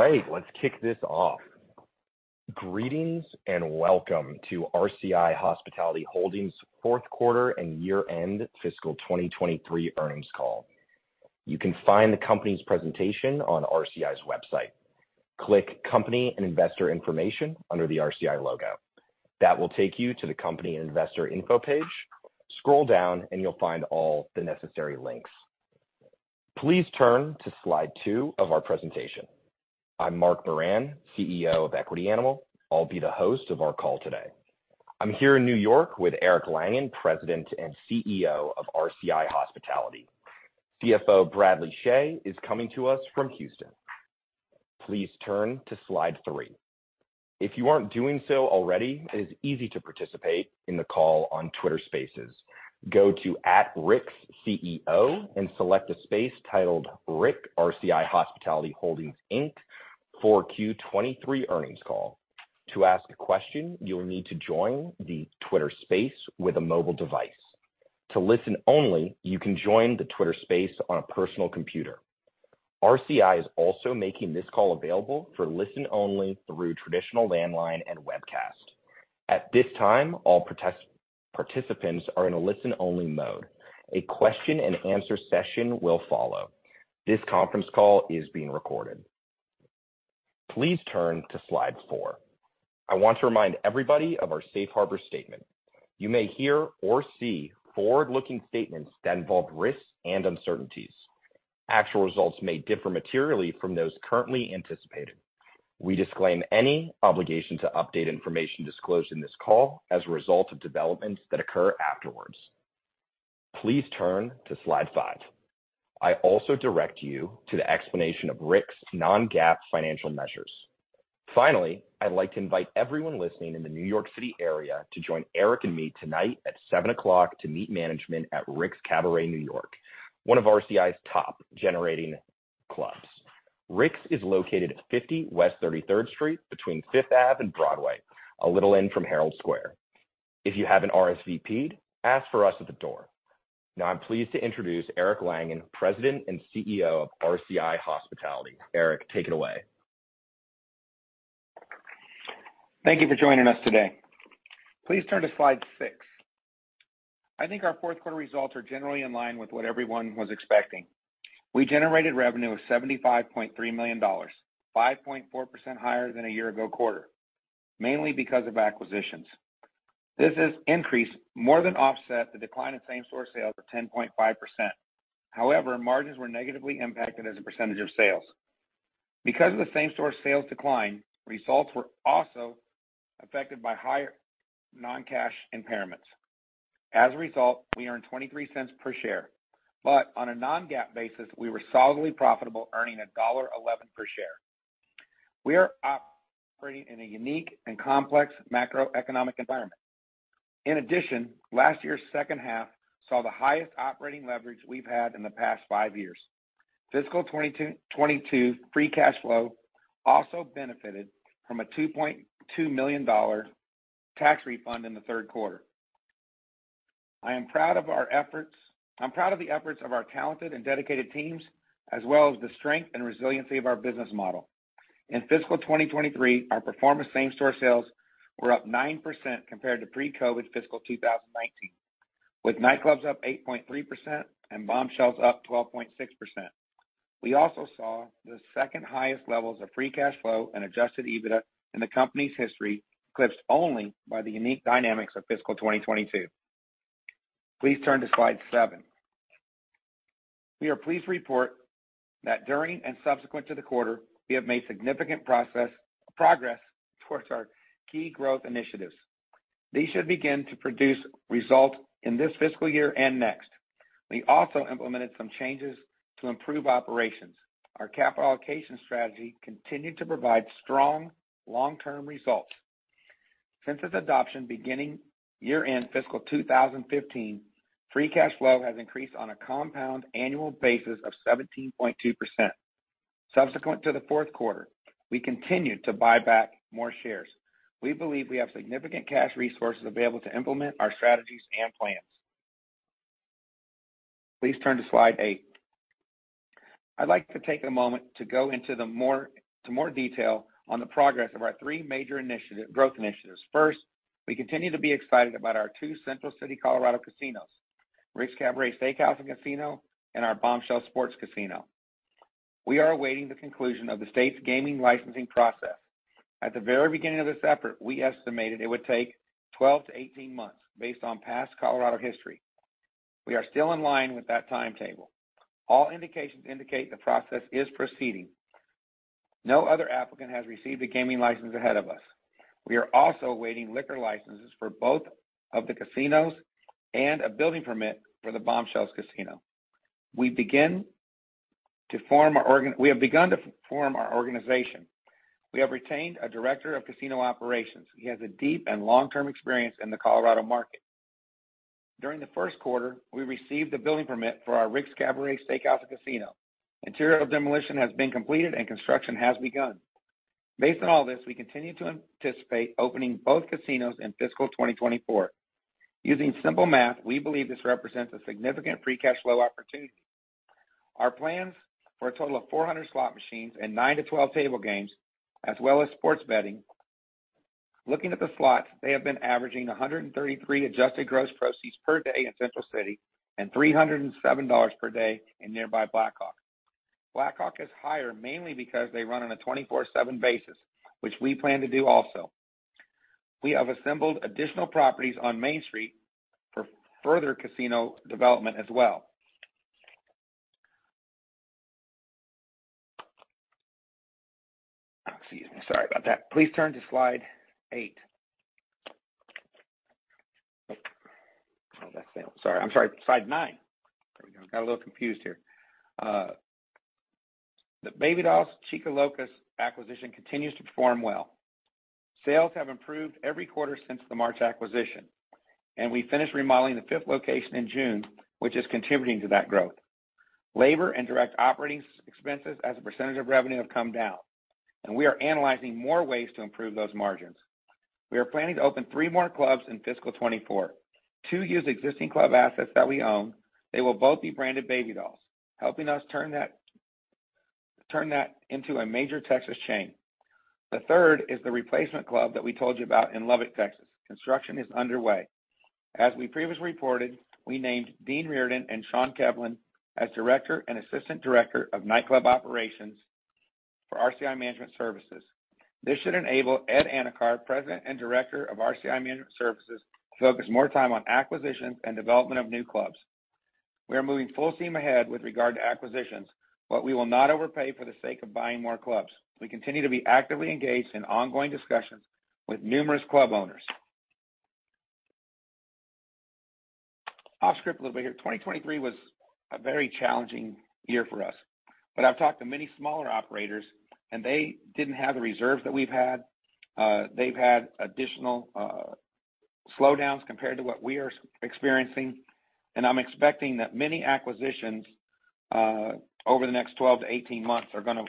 All right, let's kick this off. Greetings, and welcome to RCI Hospitality Holdings fourth quarter and year-end fiscal 2023 earnings call. You can find the company's presentation on RCI's website. Click Company and Investor Information under the RCI logo. That will take you to the Company and Investor info page. Scroll down, and you'll find all the necessary links. Please turn to slide two of our presentation. I'm Mark Moran, CEO of Equity Animal. I'll be the host of our call today. I'm here in New York with Eric Langan, President and CEO of RCI Hospitality. CFO Bradley Chhay is coming to us from Houston. Please turn to slide three. If you aren't doing so already, it is easy to participate in the call on Twitter Spaces. Go to @RicksCEO and select a space titled RCI Hospitality Holdings, Inc. for Q 2023 earnings call. To ask a question, you will need to join the Twitter Space with a mobile device. To listen only, you can join the Twitter Space on a personal computer. RCI is also making this call available for listen only through traditional landline and webcast. At this time, all participants are in a listen-only mode. A question and answer session will follow. This conference call is being recorded. Please turn to slide four. I want to remind everybody of our Safe Harbor statement. You may hear or see forward-looking statements that involve risks and uncertainties. Actual results may differ materially from those currently anticipated. We disclaim any obligation to update information disclosed in this call as a result of developments that occur afterwards. Please turn to slide five. I also direct you to the explanation of RICK's non-GAAP financial measures. Finally, I'd like to invite everyone listening in the New York City area to join Eric and me tonight at 7:00 P.M. to meet management at Rick's Cabaret New York, one of RCI's top generating clubs. Rick's is located at 50 West 33rd Street between Fifth Avenue and Broadway, a little in from Herald Square. If you have an RSVP, ask for us at the door. Now, I'm pleased to introduce Eric Langan, President and CEO of RCI Hospitality. Eric, take it away. Thank you for joining us today. Please turn to slide six I think our fourth quarter results are generally in line with what everyone was expecting. We generated revenue of $75.3 million, 5.4% higher than a year ago quarter, mainly because of acquisitions. This has increased more than offset the decline in same-store sales of 10.5%. However, margins were negatively impacted as a percentage of sales. Because of the same-store sales decline, results were also affected by higher non-cash impairments. As a result, we earned $0.23 per share, but on a non-GAAP basis, we were solidly profitable, earning $1.11 per share. We are operating in a unique and complex macroeconomic environment. In addition, last year's second half saw the highest operating leverage we've had in the past 5 years. Fiscal 2022 free cash flow also benefited from a $2.2 million tax refund in the third quarter. I am proud of our efforts. I'm proud of the efforts of our talented and dedicated teams, as well as the strength and resiliency of our business model. In Fiscal 2023, our performance same-store sales were up 9% compared to pre-COVID Fiscal 2019, with nightclubs up 8.3% and Bombshells up 12.6%. We also saw the second highest levels of free cash flow and adjusted EBITDA in the company's history, eclipsed only by the unique dynamics of Fiscal 2022. Please turn to Slide seven. We are pleased to report that during and subsequent to the quarter, we have made significant progress towards our key growth initiatives. These should begin to produce results in this fiscal year and next. We also implemented some changes to improve operations. Our capital allocation strategy continued to provide strong long-term results. Since its adoption beginning year-end fiscal 2015, free cash flow has increased on a compound annual basis of 17.2%. Subsequent to the fourth quarter, we continued to buy back more shares. We believe we have significant cash resources available to implement our strategies and plans. Please turn to slide eight. I'd like to take a moment to go into more detail on the progress of our three major initiative, growth initiatives. First, we continue to be excited about our two Central City, Colorado casinos, Rick's Cabaret Steakhouse and Casino, and our Bombshells Sports Casino. We are awaiting the conclusion of the state's gaming licensing process. At the very beginning of this effort, we estimated it would take 12-18 months based on past Colorado history. We are still in line with that timetable. All indications indicate the process is proceeding. No other applicant has received a gaming license ahead of us. We are also awaiting liquor licenses for both of the casinos and a building permit for the Bombshells Casino. We have begun to form our organization. We have retained a director of casino operations. He has a deep and long-term experience in the Colorado market. During the first quarter, we received a building permit for our Rick's Cabaret Steakhouse and Casino. Interior demolition has been completed, and construction has begun. Based on all this, we continue to anticipate opening both casinos in fiscal 2024. Using simple math, we believe this represents a significant free cash flow opportunity. Our plans for a total of 400 slot machines and nine to 12 table games, as well as sports betting. Looking at the slots, they have been averaging $133 adjusted gross proceeds per day in Central City and $307 per day in nearby Black Hawk. Black Hawk is higher, mainly because they run on a 24/7 basis, which we plan to do also. We have assembled additional properties on Main Street for further casino development as well. Excuse me, sorry about that. Please turn to Slide eight. Sorry, I'm sorry, slide nine. There we go. Got a little confused here. The Baby Dolls/Chicas Locas acquisition continues to perform well. Sales have improved every quarter since the March acquisition, and we finished remodeling the fifth location in June, which is contributing to that growth. Labor and direct operating expenses as a percentage of revenue have come down, and we are analyzing more ways to improve those margins. We are planning to open three more clubs in fiscal 2024. Two use existing club assets that we own. They will both be branded Baby Dolls, helping us turn that into a major Texas chain. The third is the replacement club that we told you about in Lubbock, Texas. Construction is underway. As we previously reported, we named Dean Reardon and Shaun Kevlin as Director and Assistant Director of Nightclub Operations for RCI Management Services. This should enable Ed Anakar, President and Director of RCI Management Services, to focus more time on acquisitions and development of new clubs. We are moving full steam ahead with regard to acquisitions, but we will not overpay for the sake of buying more clubs. We continue to be actively engaged in ongoing discussions with numerous club owners. Off script a little bit here. 2023 was a very challenging year for us, but I've talked to many smaller operators, and they didn't have the reserves that we've had. They've had additional slowdowns compared to what we are experiencing, and I'm expecting that many acquisitions over the next 12-18 months are gonna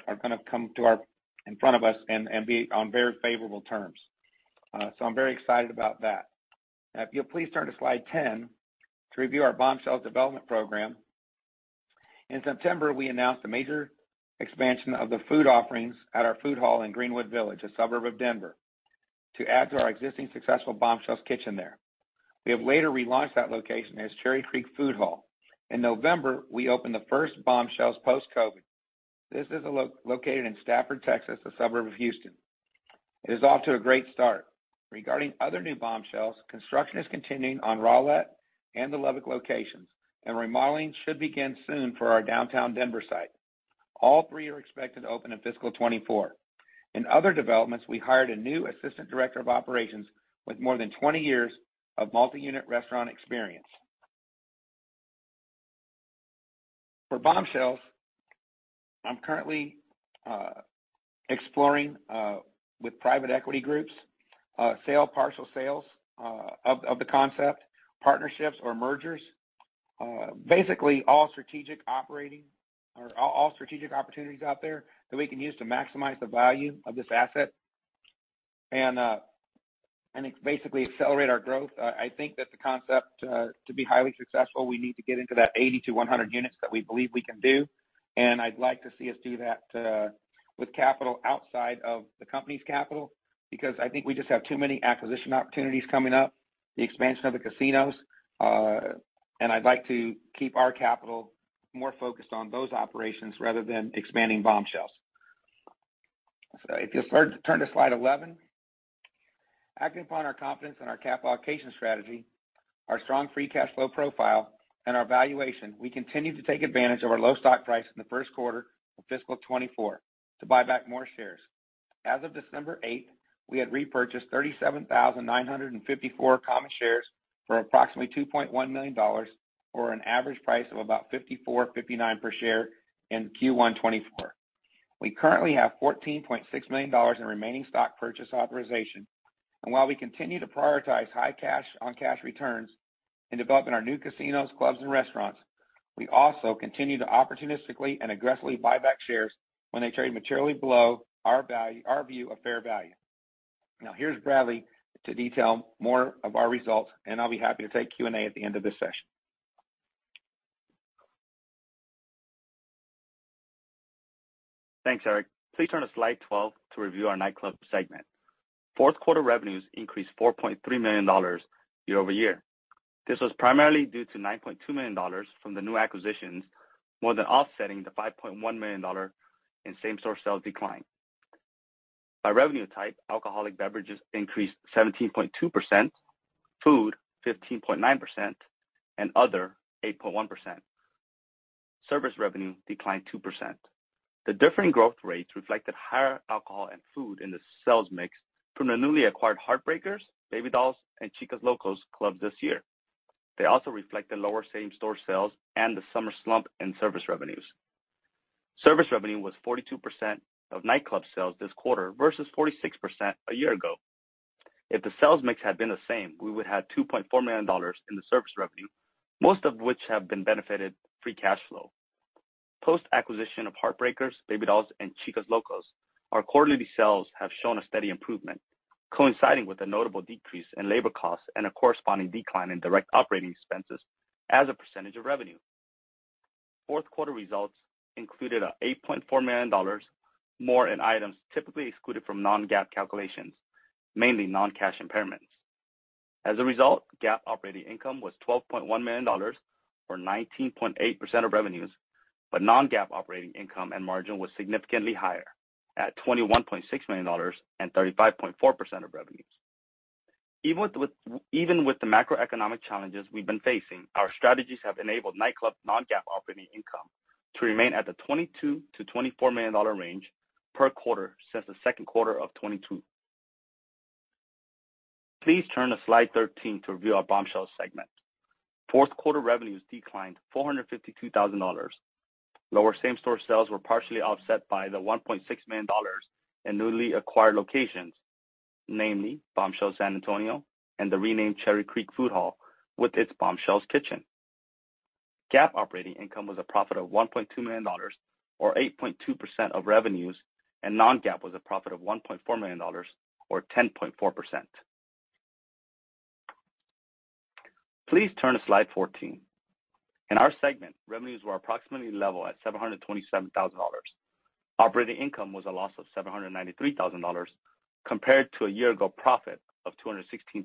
come to our-- in front of us and be on very favorable terms. So I'm very excited about that. If you'll please turn to slide 10 to review our Bombshells development program. In September, we announced a major expansion of the food offerings at our food hall in Greenwood Village, a suburb of Denver, to add to our existing successful Bombshells kitchen there. We have later relaunched that location as Cherry Creek Food Hall. In November, we opened the first Bombshells post-COVID. This is located in Stafford, Texas, a suburb of Houston. It is off to a great start. Regarding other new Bombshells, construction is continuing on Rowlett and the Lubbock locations, and remodeling should begin soon for our downtown Denver site. All three are expected to open in fiscal 2024. In other developments, we hired a new Assistant Director of Operations with more than 20 years of multi-unit restaurant experience. For Bombshells, I'm currently exploring with private equity groups sale, partial sales of the concept, partnerships or mergers, basically all strategic operating or all strategic opportunities out there that we can use to maximize the value of this asset and basically accelerate our growth. I think that the concept to be highly successful, we need to get into that 80-100 units that we believe we can do. And I'd like to see us do that with capital outside of the company's capital, because I think we just have too many acquisition opportunities coming up, the expansion of the casinos, and I'd like to keep our capital more focused on those operations rather than expanding Bombshells. So if you'll turn to slide 11. Acting upon our confidence in our capital allocation strategy, our strong free cash flow profile and our valuation, we continue to take advantage of our low stock price in the first quarter of fiscal 2024 to buy back more shares. As of December 8th, we had repurchased 37,954 common shares for approximately $2.1 million, or an average price of about $54.59 per share in Q1 2024. We currently have $14.6 million in remaining stock purchase authorization, and while we continue to prioritize high cash on cash returns in developing our new casinos, clubs, and restaurants, we also continue to opportunistically and aggressively buy back shares when they trade materially below our value, our view of fair value. Now, here's Bradley to detail more of our results, and I'll be happy to take Q&A at the end of this session. Thanks, Eric. Please turn to slide 12 to review our nightclub segment. Fourth quarter revenues increased $4.3 million year-over-year. This was primarily due to $9.2 million from the new acquisitions, more than offsetting the $5.1 million in same-store sales decline. By revenue type, alcoholic beverages increased 17.2%, food 15.9%, and other 8.1%. Service revenue declined 2%. The differing growth rates reflected higher alcohol and food in the sales mix from the newly acquired Heartbreakers, Baby Dolls, and Chicas Locas clubs this year. They also reflected lower same-store sales and the summer slump in service revenues. Service revenue was 42% of nightclub sales this quarter, versus 46% a year ago.... If the sales mix had been the same, we would have had $2.4 million in the service revenue, most of which have been benefited free cash flow. Post-acquisition of Heartbreakers, Baby Dolls, and Chicas Locas, our quarterly sales have shown a steady improvement, coinciding with a notable decrease in labor costs and a corresponding decline in direct operating expenses as a percentage of revenue. Fourth quarter results included an $8.4 million more in items typically excluded from non-GAAP calculations, mainly non-cash impairments. As a result, GAAP operating income was $12.1 million, or 19.8% of revenues, but non-GAAP operating income and margin was significantly higher at $21.6 million and 35.4% of revenues. Even with the macroeconomic challenges we've been facing, our strategies have enabled Nightclub's non-GAAP operating income to remain at the $22 million-$24 million range per quarter since the second quarter of 2022. Please turn to slide 13 to review our Bombshells segment. Fourth quarter revenues declined $452,000. Lower same-store sales were partially offset by the $1.6 million in newly acquired locations, namely Bombshells San Antonio and the renamed Cherry Creek Food Hall, with its Bombshells Kitchen. GAAP operating income was a profit of $1.2 million, or 8.2% of revenues, and non-GAAP was a profit of $1.4 million, or 10.4%. Please turn to slide 14. In our segment, revenues were approximately level at $727,000. Operating income was a loss of $793,000 compared to a year-ago profit of $216,000.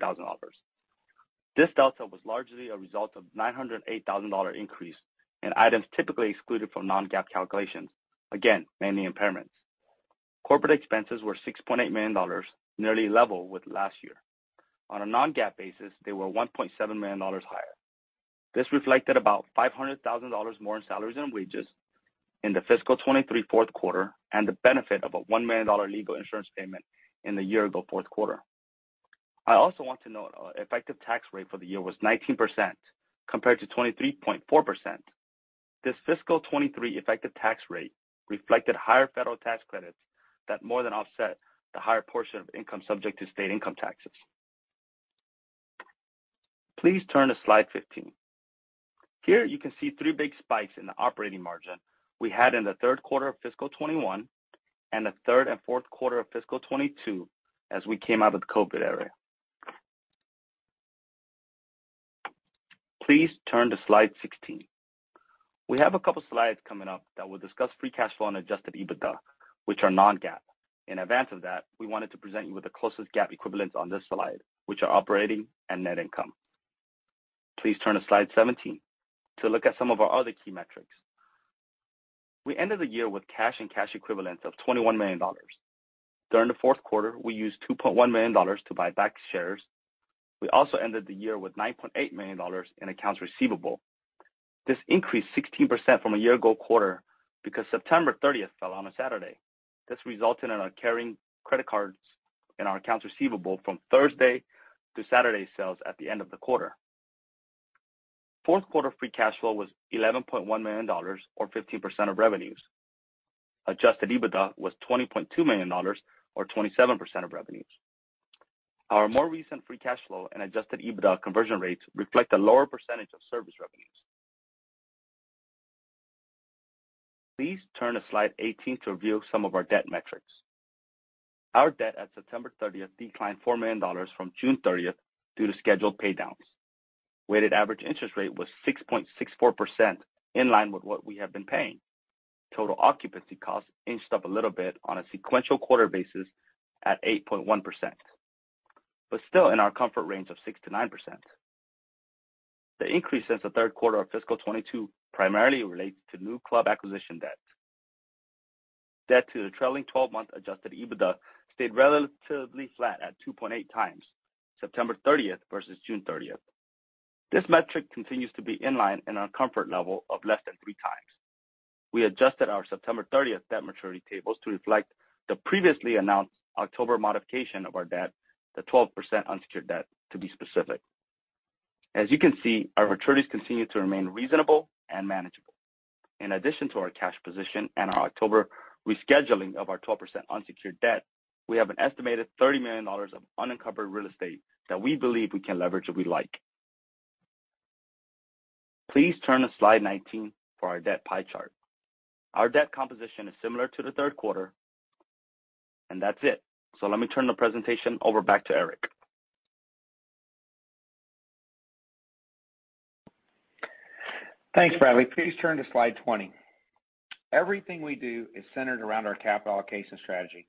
This delta was largely a result of $908,000 increase in items typically excluded from non-GAAP calculations, again, mainly impairments. Corporate expenses were $6.8 million, nearly level with last year. On a non-GAAP basis, they were $1.7 million higher. This reflected about $500,000 more in salaries and wages in the fiscal 2023 fourth quarter, and the benefit of a $1 million legal insurance payment in the year-ago fourth quarter. I also want to note our effective tax rate for the year was 19%, compared to 23.4%. This fiscal 2023 effective tax rate reflected higher federal tax credits that more than offset the higher portion of income subject to state income taxes. Please turn to slide 15. Here, you can see three big spikes in the operating margin we had in the third quarter of fiscal 2021 and the third and fourth quarter of fiscal 2022, as we came out of the COVID era. Please turn to slide 16. We have a couple slides coming up that will discuss free cash flow and adjusted EBITDA, which are non-GAAP. In advance of that, we wanted to present you with the closest GAAP equivalents on this slide, which are operating and net income. Please turn to slide 17 to look at some of our other key metrics. We ended the year with cash and cash equivalents of $21 million. During the fourth quarter, we used $2.1 million to buy back shares. We also ended the year with $9.8 million in accounts receivable. This increased 16% from a year-ago quarter because September 30 fell on a Saturday. This resulted in our carrying credit cards in our accounts receivable from Thursday to Saturday sales at the end of the quarter. Fourth quarter Free Cash Flow was $11.1 million or 15% of revenues. Adjusted EBITDA was $20.2 million or 27% of revenues. Our more recent Free Cash Flow and Adjusted EBITDA conversion rates reflect a lower percentage of service revenues. Please turn to slide 18 to review some of our debt metrics. Our debt at September 30 declined $4 million from June 30 due to scheduled paydowns. Weighted average interest rate was 6.64%, in line with what we have been paying. Total occupancy costs inched up a little bit on a sequential quarter basis at 8.1%, but still in our comfort range of 6%-9%. The increase since the third quarter of fiscal 2022 primarily relates to new club acquisition debt. Debt to the trailing twelve-month adjusted EBITDA stayed relatively flat at 2.8x, September thirtieth versus June thirtieth. This metric continues to be in line in our comfort level of less than 3x. We adjusted our September thirtieth debt maturity tables to reflect the previously announced October modification of our debt, the 12% unsecured debt, to be specific. As you can see, our maturities continue to remain reasonable and manageable. In addition to our cash position and our October rescheduling of our 12% unsecured debt, we have an estimated $30 million of unencumbered real estate that we believe we can leverage if we like. Please turn to slide 19 for our debt pie chart. Our debt composition is similar to the third quarter, and that's it. So let me turn the presentation over back to Eric. Thanks, Bradley. Please turn to slide 20. Everything we do is centered around our capital allocation strategy.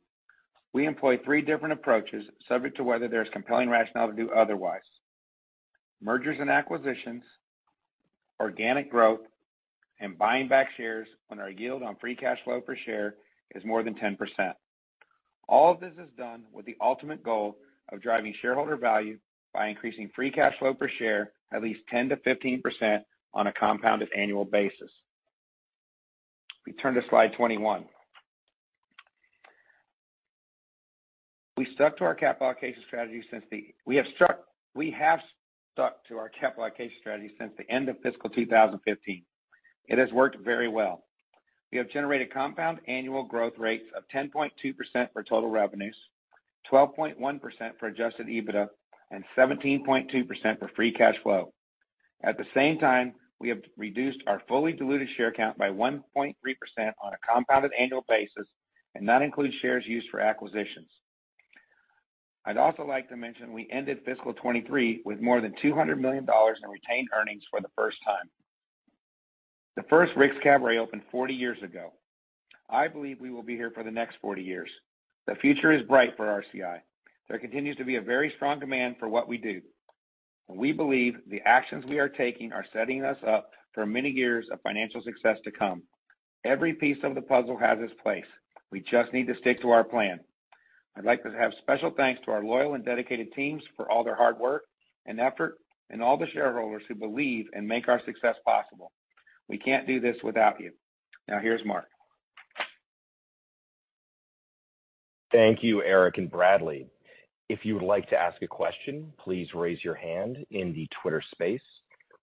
We employ three different approaches, subject to whether there's compelling rationale to do otherwise: mergers and acquisitions, organic growth, and buying back shares when our yield on free cash flow per share is more than 10%. All of this is done with the ultimate goal of driving shareholder value by increasing free cash flow per share at least 10%-15% on a compounded annual basis. We turn to slide 21. We have stuck to our capital allocation strategy since the end of fiscal 2015. It has worked very well. We have generated compound annual growth rates of 10.2% for total revenues, 12.1% for Adjusted EBITDA, and 17.2% for Free Cash Flow. At the same time, we have reduced our fully diluted share count by 1.3% on a compounded annual basis, and that includes shares used for acquisitions. I'd also like to mention we ended fiscal 2023 with more than $200 million in retained earnings for the first time. The first Rick's Cabaret opened 40 years ago. I believe we will be here for the next 40 years. The future is bright for RCI. There continues to be a very strong demand for what we do. We believe the actions we are taking are setting us up for many years of financial success to come. Every piece of the puzzle has its place. We just need to stick to our plan. I'd like to have special thanks to our loyal and dedicated teams for all their hard work and effort, and all the shareholders who believe and make our success possible. We can't do this without you. Now, here's Mark. Thank you, Eric and Bradley. If you would like to ask a question, please raise your hand in the Twitter space.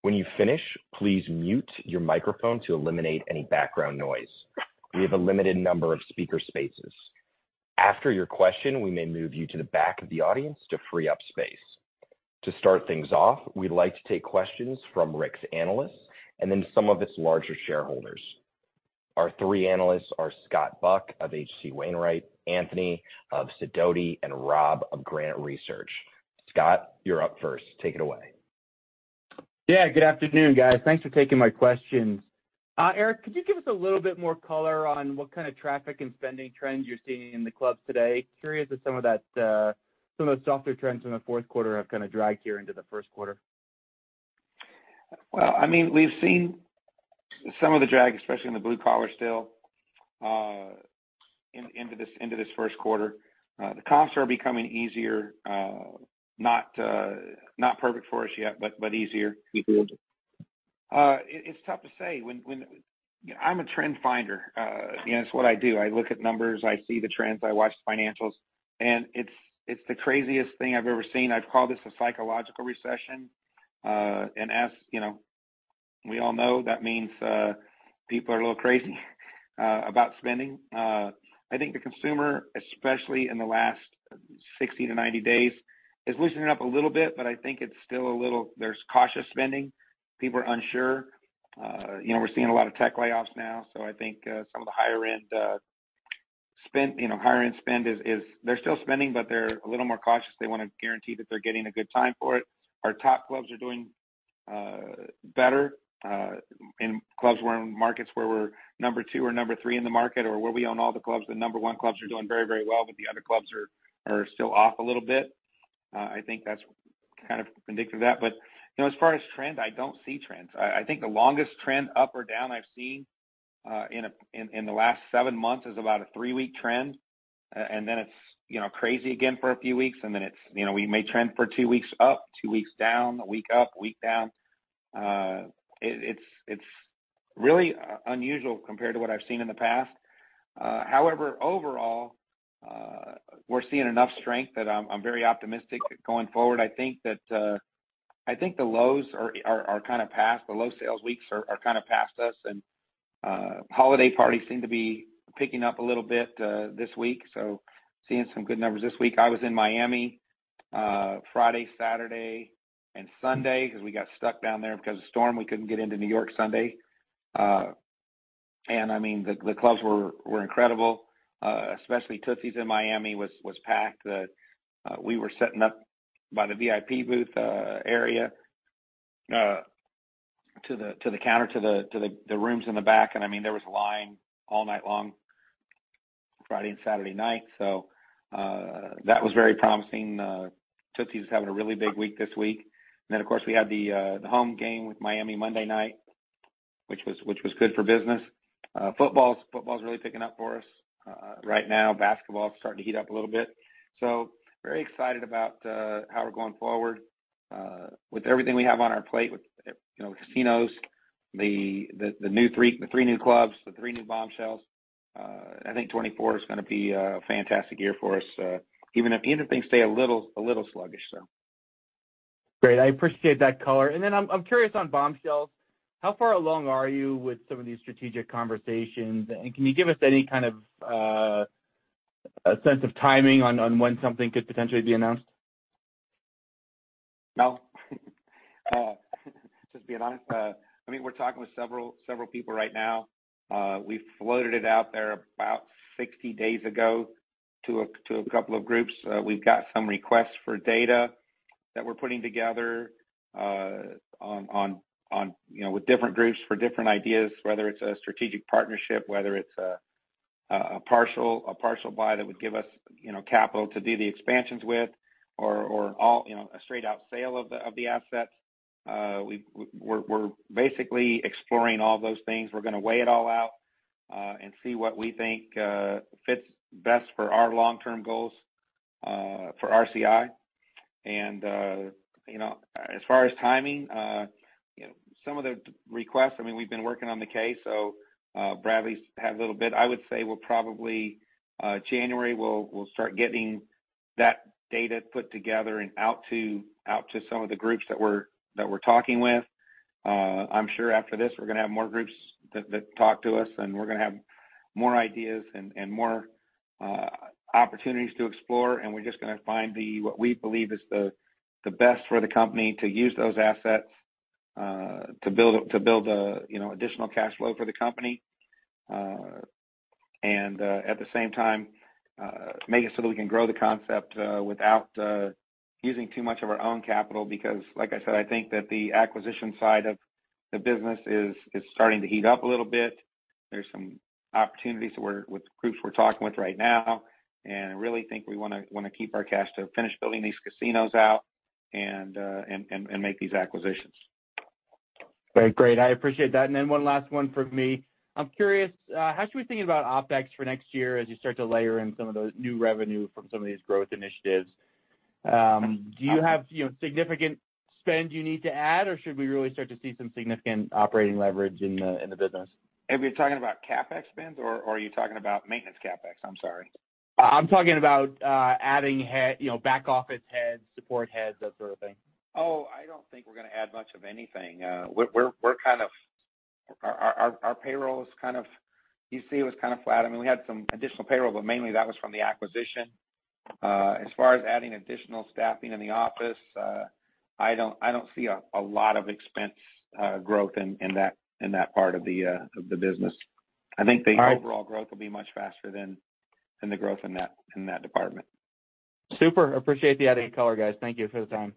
When you finish, please mute your microphone to eliminate any background noise. We have a limited number of speaker spaces. After your question, we may move you to the back of the audience to free up space. To start things off, we'd like to take questions from Rick's analysts and then some of its larger shareholders. Our three analysts are Scott Buck of H.C. Wainwright, Anthony of Sidoti, and Rob of Granite Research. Scott, you're up first. Take it away. Yeah, good afternoon, guys. Thanks for taking my questions. Eric, could you give us a little bit more color on what kind of traffic and spending trends you're seeing in the clubs today? Curious if some of that, some of the softer trends in the fourth quarter have kind of dragged here into the first quarter? Well, I mean, we've seen some of the drag, especially in the blue collar, still, into this first quarter. The comps are becoming easier, not perfect for us yet, but easier. It's tough to say. I'm a trend finder, you know, it's what I do. I look at numbers, I see the trends, I watch the financials, and it's the craziest thing I've ever seen. I'd call this a psychological recession. And as you know, we all know, that means people are a little crazy about spending. I think the consumer, especially in the last 60-90 days, is loosening up a little bit, but I think it's still a little... There's cautious spending. People are unsure. You know, we're seeing a lot of tech layoffs now, so I think some of the higher-end spend, you know, higher-end spend is they're still spending, but they're a little more cautious. They want to guarantee that they're getting a good time for it. Our top clubs are doing better in clubs where, in markets where we're number two or number three in the market, or where we own all the clubs. The number one clubs are doing very, very well, but the other clubs are still off a little bit. I think that's kind of indicative of that. But, you know, as far as trends, I don't see trends. I think the longest trend up or down I've seen in the last seven months is about a three week trend. And then it's, you know, crazy again for a few weeks, and then it's, you know, we may trend for two weeks up, two weeks down, a week up, a week down. It's really unusual compared to what I've seen in the past. However, overall, we're seeing enough strength that I'm very optimistic going forward. I think that I think the lows are kind of past. The low sales weeks are kind of past us, and holiday parties seem to be picking up a little bit this week, so seeing some good numbers this week. I was in Miami Friday, Saturday, and Sunday, because we got stuck down there because of the storm. We couldn't get into New York Sunday. I mean, the clubs were incredible. Especially Tootsie's in Miami was packed. We were setting up by the VIP booth area to the counter, to the rooms in the back, and I mean, there was a line all night long, Friday and Saturday night. So that was very promising. Tootsie's is having a really big week this week. Then, of course, we had the home game with Miami Monday night, which was good for business. Football's really picking up for us. Right now, basketball is starting to heat up a little bit. So very excited about how we're going forward with everything we have on our plate, with, you know, casinos, the new three, the three new clubs, the three new Bombshells. I think 2024 is gonna be a fantastic year for us, even if things stay a little sluggish, so. Great. I appreciate that color. Then I'm, I'm curious on Bombshells, how far along are you with some of these strategic conversations, and can you give us any kind of a sense of timing on, on when something could potentially be announced? No. Just being honest, I mean, we're talking with several, several people right now. We floated it out there about 60 days ago to a couple of groups. We've got some requests for data that we're putting together, you know, with different groups for different ideas, whether it's a strategic partnership, whether it's a partial buy that would give us, you know, capital to do the expansions with or, you know, a straight-out sale of the assets. We're basically exploring all those things. We're gonna weigh it all out and see what we think fits best for our long-term goals for RCI. You know, as far as timing, you know, some of the requests, I mean, we've been working on the case, so Bradley's had a little bit. I would say we'll probably January, we'll start getting that data put together and out to some of the groups that we're talking with. I'm sure after this, we're gonna have more groups that talk to us, and we're gonna have more ideas and more opportunities to explore. And we're just gonna find what we believe is the best for the company to use those assets to build, you know, additional cash flow for the company. And at the same time, make it so that we can grow the concept without using too much of our own capital. Because, like I said, I think that the acquisition side of the business is starting to heat up a little bit. There's some opportunities with groups we're talking with right now, and I really think we wanna keep our cash to finish building these casinos out and make these acquisitions. Great, great. I appreciate that. And then one last one from me. I'm curious how should we think about OpEx for next year as you start to layer in some of the new revenue from some of these growth initiatives? Do you have, you know, significant spend you need to add, or should we really start to see some significant operating leverage in the business? Are you talking about CapEx spends, or are you talking about maintenance CapEx? I'm sorry. I'm talking about adding, you know, back office heads, support heads, that sort of thing. Oh, I don't think we're gonna add much of anything. We're kind of, our payroll is kind of... You see it was kind of flat. I mean, we had some additional payroll, but mainly that was from the acquisition. As far as adding additional staffing in the office, I don't see a lot of expense growth in that part of the business. All right. I think the overall growth will be much faster than the growth in that department. Super! Appreciate the added color, guys. Thank you for the time.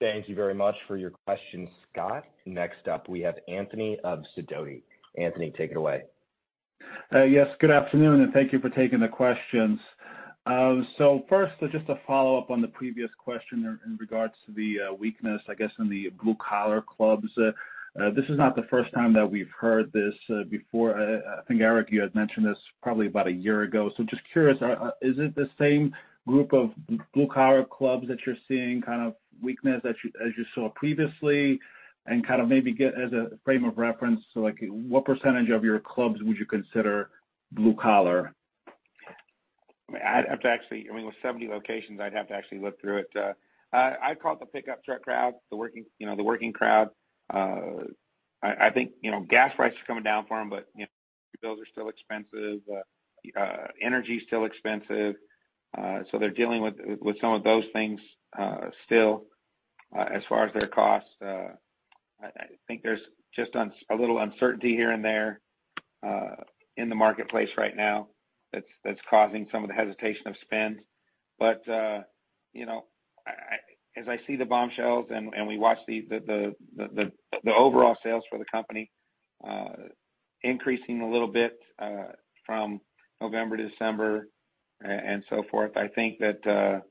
Thanks. Thank you very much for your questions, Scott. Next up, we have Anthony of Sidoti. Anthony, take it away. Yes, good afternoon, and thank you for taking the questions. So first, just a follow-up on the previous question in regards to the weakness, I guess, in the blue-collar clubs. This is not the first time that we've heard this before. I think, Eric, you had mentioned this probably about a year ago. So just curious, is it the same group of blue-collar clubs that you're seeing kind of weakness as you saw previously? And kind of maybe get as a frame of reference, so like, what percentage of your clubs would you consider blue collar? I'd have to actually. I mean, with 70 locations, I'd have to actually look through it. I call it the pickup truck crowd, the working, you know, the working crowd. I think, you know, gas prices are coming down for them, but, you know, bills are still expensive, energy is still expensive, so they're dealing with some of those things still. As far as their costs, I think there's just a little uncertainty here and there in the marketplace right now that's causing some of the hesitation of spend. But, you know, I, as I see the Bombshells and we watch the overall sales for the company increasing a little bit from November to December and so forth, I think that...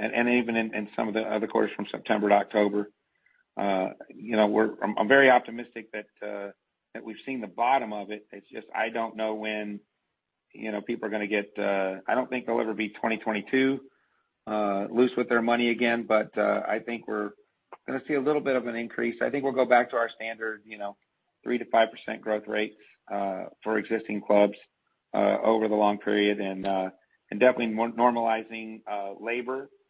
Even in some of the other quarters from September to October, you know, we're—I'm very optimistic that we've seen the bottom of it. It's just I don't know when, you know, people are gonna get. I don't think they'll ever be 2022 loose with their money again, but I think we're gonna see a little bit of an increase. I think we'll go back to our standard, you know, 3%-5% growth rates for existing clubs over the long period, and definitely normalizing labor overtime costs.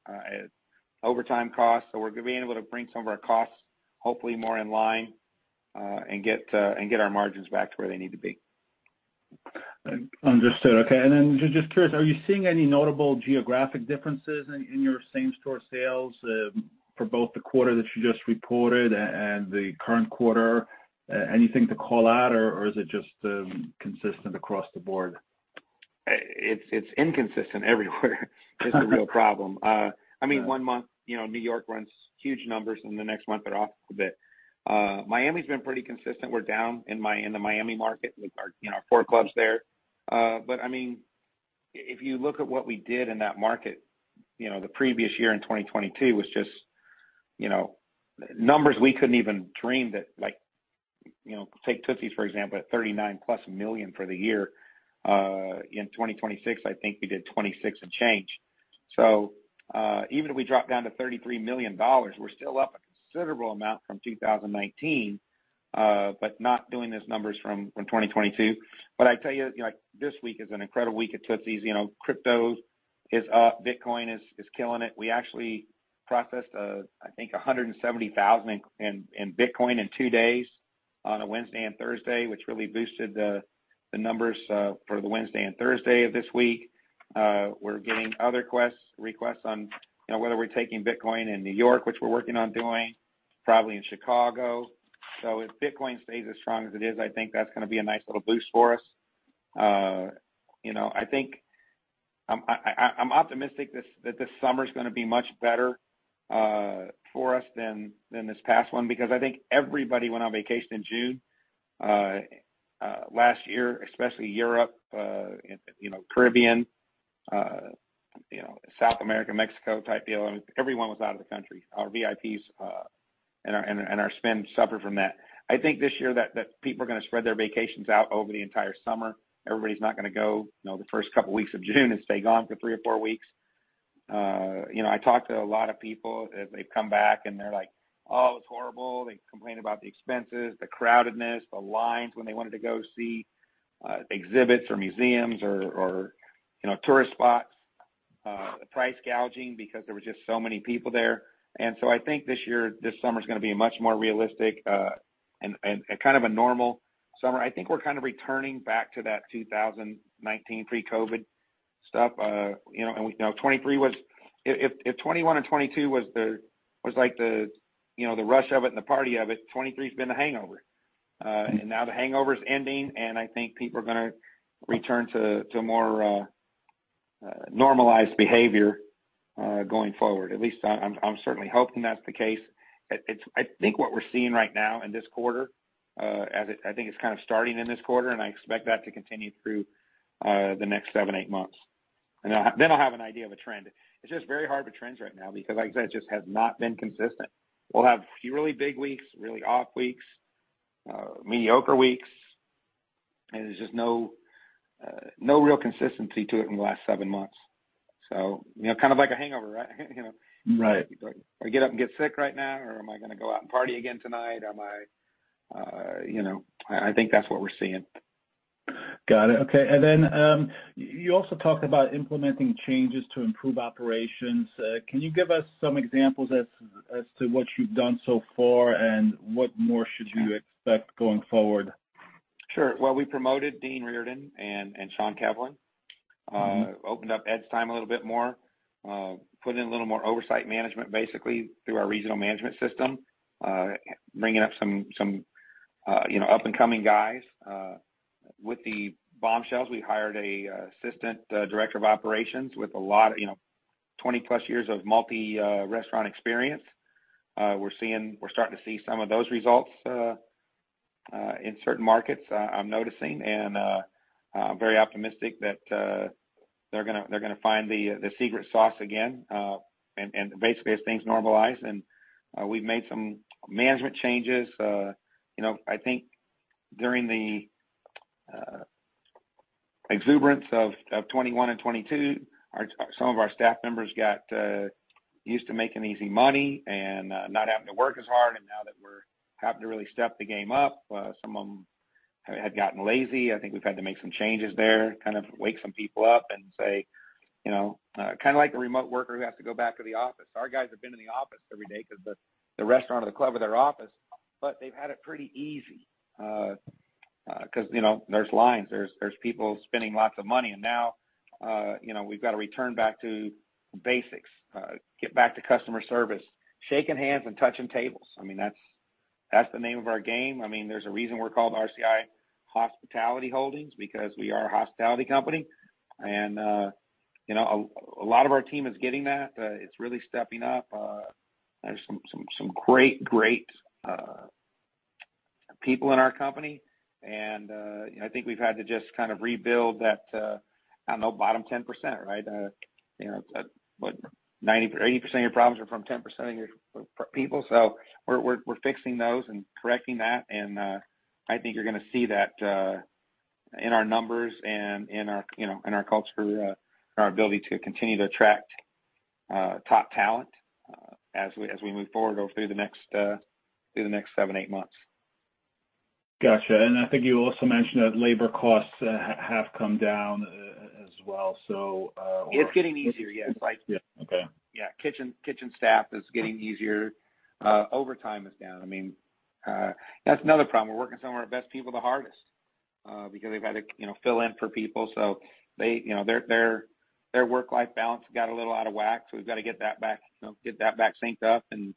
So we're gonna be able to bring some of our costs, hopefully more in line, and get our margins back to where they need to be. Understood. Okay. And then just curious, are you seeing any notable geographic differences in your same store sales for both the quarter that you just reported and the current quarter? Anything to call out, or is it just consistent across the board? It's inconsistent everywhere. It's the real problem. I mean, one month, you know, New York runs huge numbers, and the next month they're off a bit. Miami's been pretty consistent. We're down in the Miami market with our, you know, our 4 clubs there. But I mean, if you look at what we did in that market, you know, the previous year in 2022 was just, you know, numbers we couldn't even dream that, like, you know, take Tootsie's, for example, at $39+ million for the year, in 2026, I think we did $26 and change. So, even if we drop down to $33 million, we're still up a considerable amount from 2019, but not doing those numbers from 2022. But I tell you, you know, this week is an incredible week at Tootsie's. You know, crypto is up, Bitcoin is, is killing it. We actually processed, I think $170,000 in Bitcoin in two days, on a Wednesday and Thursday, which really boosted the numbers for the Wednesday and Thursday of this week. We're getting other requests on, you know, whether we're taking Bitcoin in New York, which we're working on doing, probably in Chicago. So if Bitcoin stays as strong as it is, I think that's gonna be a nice little boost for us. You know, I think I'm optimistic that this summer's gonna be much better for us than this past one, because I think everybody went on vacation in June last year, especially Europe, you know, Caribbean, you know, South America, Mexico type deal. I mean, everyone was out of the country. Our VIPs and our spend suffered from that. I think this year that people are gonna spread their vacations out over the entire summer. Everybody's not gonna go, you know, the first couple weeks of June and stay gone for three or four weeks.... You know, I talked to a lot of people as they've come back, and they're like, "Oh, it was horrible." They complained about the expenses, the crowdedness, the lines when they wanted to go see exhibits or museums or, you know, tourist spots, price gouging, because there were just so many people there. And so I think this year, this summer's gonna be a much more realistic and a kind of a normal summer. I think we're kind of returning back to that 2019 pre-COVID stuff. You know, and now 2023 was—if 2021 and 2022 was like the rush of it and the party of it, 2023's been the hangover. And now the hangover is ending, and I think people are gonna return to more normalized behavior going forward. At least I'm certainly hoping that's the case. It's I think what we're seeing right now in this quarter. I think it's kind of starting in this quarter, and I expect that to continue through the next seven to eight months. And then I'll have an idea of a trend. It's just very hard with trends right now, because like I said, it just has not been consistent. We'll have a few really big weeks, really off weeks, mediocre weeks, and there's just no real consistency to it in the last seven months. So, you know, kind of like a hangover, right? You know? Right. Do I get up and get sick right now, or am I gonna go out and party again tonight? Am I, you know... I think that's what we're seeing. Got it. Okay. And then, you also talked about implementing changes to improve operations. Can you give us some examples as to what you've done so far, and what more should we expect going forward? Sure. Well, we promoted Dean Reardon and Shaun Kevlin, opened up Ed's time a little bit more, put in a little more oversight management, basically, through our regional management system, bringing up some you know, up-and-coming guys. With the Bombshells, we hired an assistant director of operations with a lot, you know, 20+ years of multi-restaurant experience. We're starting to see some of those results in certain markets, I'm noticing, and I'm very optimistic that they're gonna find the secret sauce again, and basically as things normalize, and we've made some management changes. You know, I think during the exuberance of 2021 and 2022, some of our staff members got used to making easy money and not having to work as hard. And now that we're having to really step the game up, some of them had gotten lazy. I think we've had to make some changes there, kind of wake some people up and say, you know, kind of like a remote worker who has to go back to the office. Our guys have been in the office every day because the restaurant or the club are their office, but they've had it pretty easy because, you know, there's lines, there's people spending lots of money. And now, you know, we've got to return back to basics, get back to customer service, shaking hands and touching tables. I mean, that's the name of our game. I mean, there's a reason we're called RCI Hospitality Holdings, because we are a hospitality company. A lot of our team is getting that. It's really stepping up. There's some great people in our company, and you know, I think we've had to just kind of rebuild that, I don't know, bottom 10%, right? You know, what, 90, 80% of your problems are from 10% of your people. So we're fixing those and correcting that, and I think you're gonna see that in our numbers and in our, you know, in our culture, and our ability to continue to attract top talent as we move forward through the next seven to eight months. Gotcha. And I think you also mentioned that labor costs have come down as well, so- It's getting easier, yes. Yeah. Okay. Yeah. Kitchen staff is getting easier. Overtime is down. I mean, that's another problem. We're working some of our best people the hardest, because they've had to, you know, fill in for people. So they, you know, their work-life balance got a little out of whack, so we've got to get that back, you know, get that back synced up. And,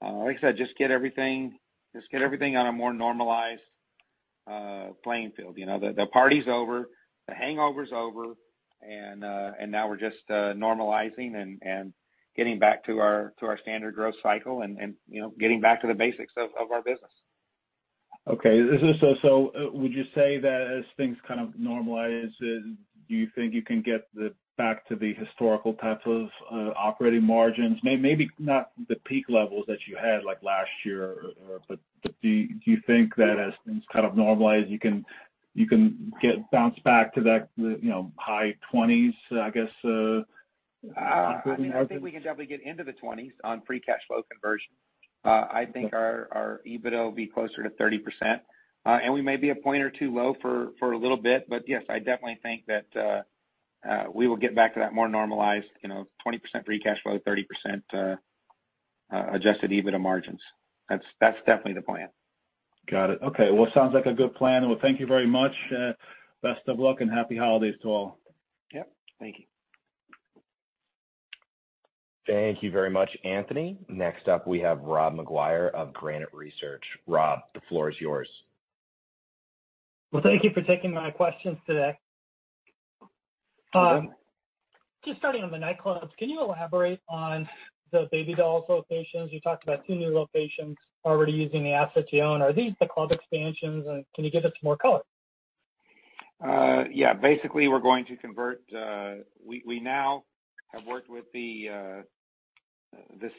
like I said, just get everything, just get everything on a more normalized, playing field. You know, the party's over, the hangover's over, and now we're just, normalizing and getting back to our, to our standard growth cycle and, you know, getting back to the basics of our business. Okay. So would you say that as things kind of normalize, do you think you can get back to the historical types of operating margins? Maybe not the peak levels that you had, like, last year, but do you think that as things kind of normalize, you can bounce back to that, you know, high twenties, I guess, operating margins? I think we can definitely get into the 20s on free cash flow conversion. I think our EBITDA will be closer to 30%. And we may be a point or two low for a little bit, but yes, I definitely think that we will get back to that more normalized, you know, 20% free cash flow, 30% adjusted EBITDA margins. That's definitely the plan. Got it. Okay. Well, sounds like a good plan. Well, thank you very much. Best of luck and happy holidays to all. Yep. Thank you. Thank you very much, Anthony. Next up, we have Rob McGuire of Granite Research. Rob, the floor is yours. Well, thank you for taking my questions today. You're welcome. Just starting on the nightclubs, can you elaborate on the Baby Dolls locations? You talked about two new locations already using the assets you own. Are these the club expansions, and can you give us more color? Yeah. Basically, we're going to convert. We now have worked with the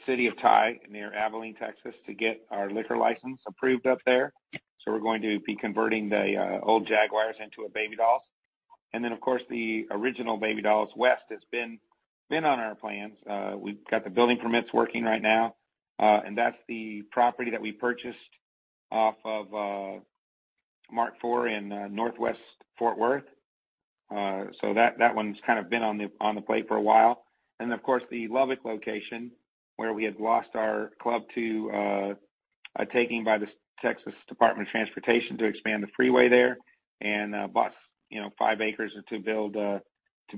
city of Tye, near Abilene, Texas, to get our liquor license approved up there. So we're going to be converting the old Jaguars into a Baby Dolls. And then, of course, the original Baby Dolls West has been on our plans. We've got the building permits working right now, and that's the property that we purchased off of Mark IV in Northwest Fort Worth. So that one's kind of been on the plate for a while. And of course, the Lubbock location, where we had lost our club to a taking by the Texas Department of Transportation to expand the freeway there, and bought, you know, five acres to build a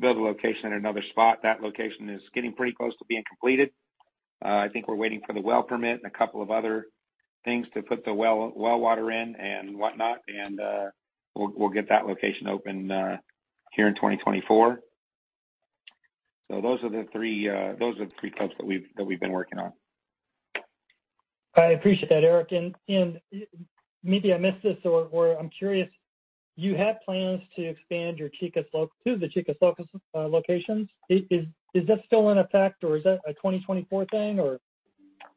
location in another spot. That location is getting pretty close to being completed. I think we're waiting for the well permit and a couple of other things to put the well water in and whatnot, and we'll get that location open here in 2024. So those are the three clubs that we've been working on. I appreciate that, Eric. And maybe I missed this or I'm curious, you had plans to expand your Chicas Locas locations. Is that still in effect, or is that a 2024 thing, or?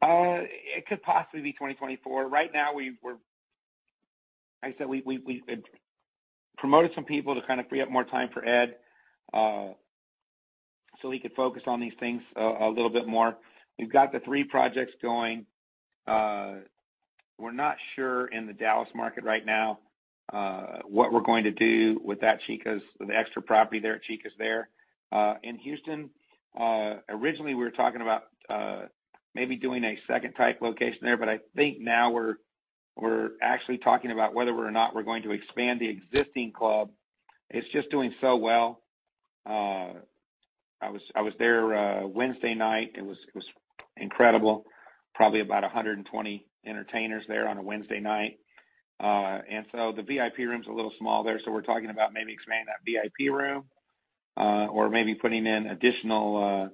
It could possibly be 2024. Right now, we're—I said we, we, we promoted some people to kind of free up more time for Ed, so he could focus on these things a little bit more. We've got the three projects going. We're not sure in the Dallas market right now, what we're going to do with that Chicas, with the extra property there at Chicas there. In Houston, originally we were talking about maybe doing a second type location there, but I think now we're actually talking about whether or not we're going to expand the existing club. It's just doing so well. I was there Wednesday night. It was incredible. Probably about 120 entertainers there on a Wednesday night. And so the VIP room's a little small there, so we're talking about maybe expanding that VIP room, or maybe putting in additional,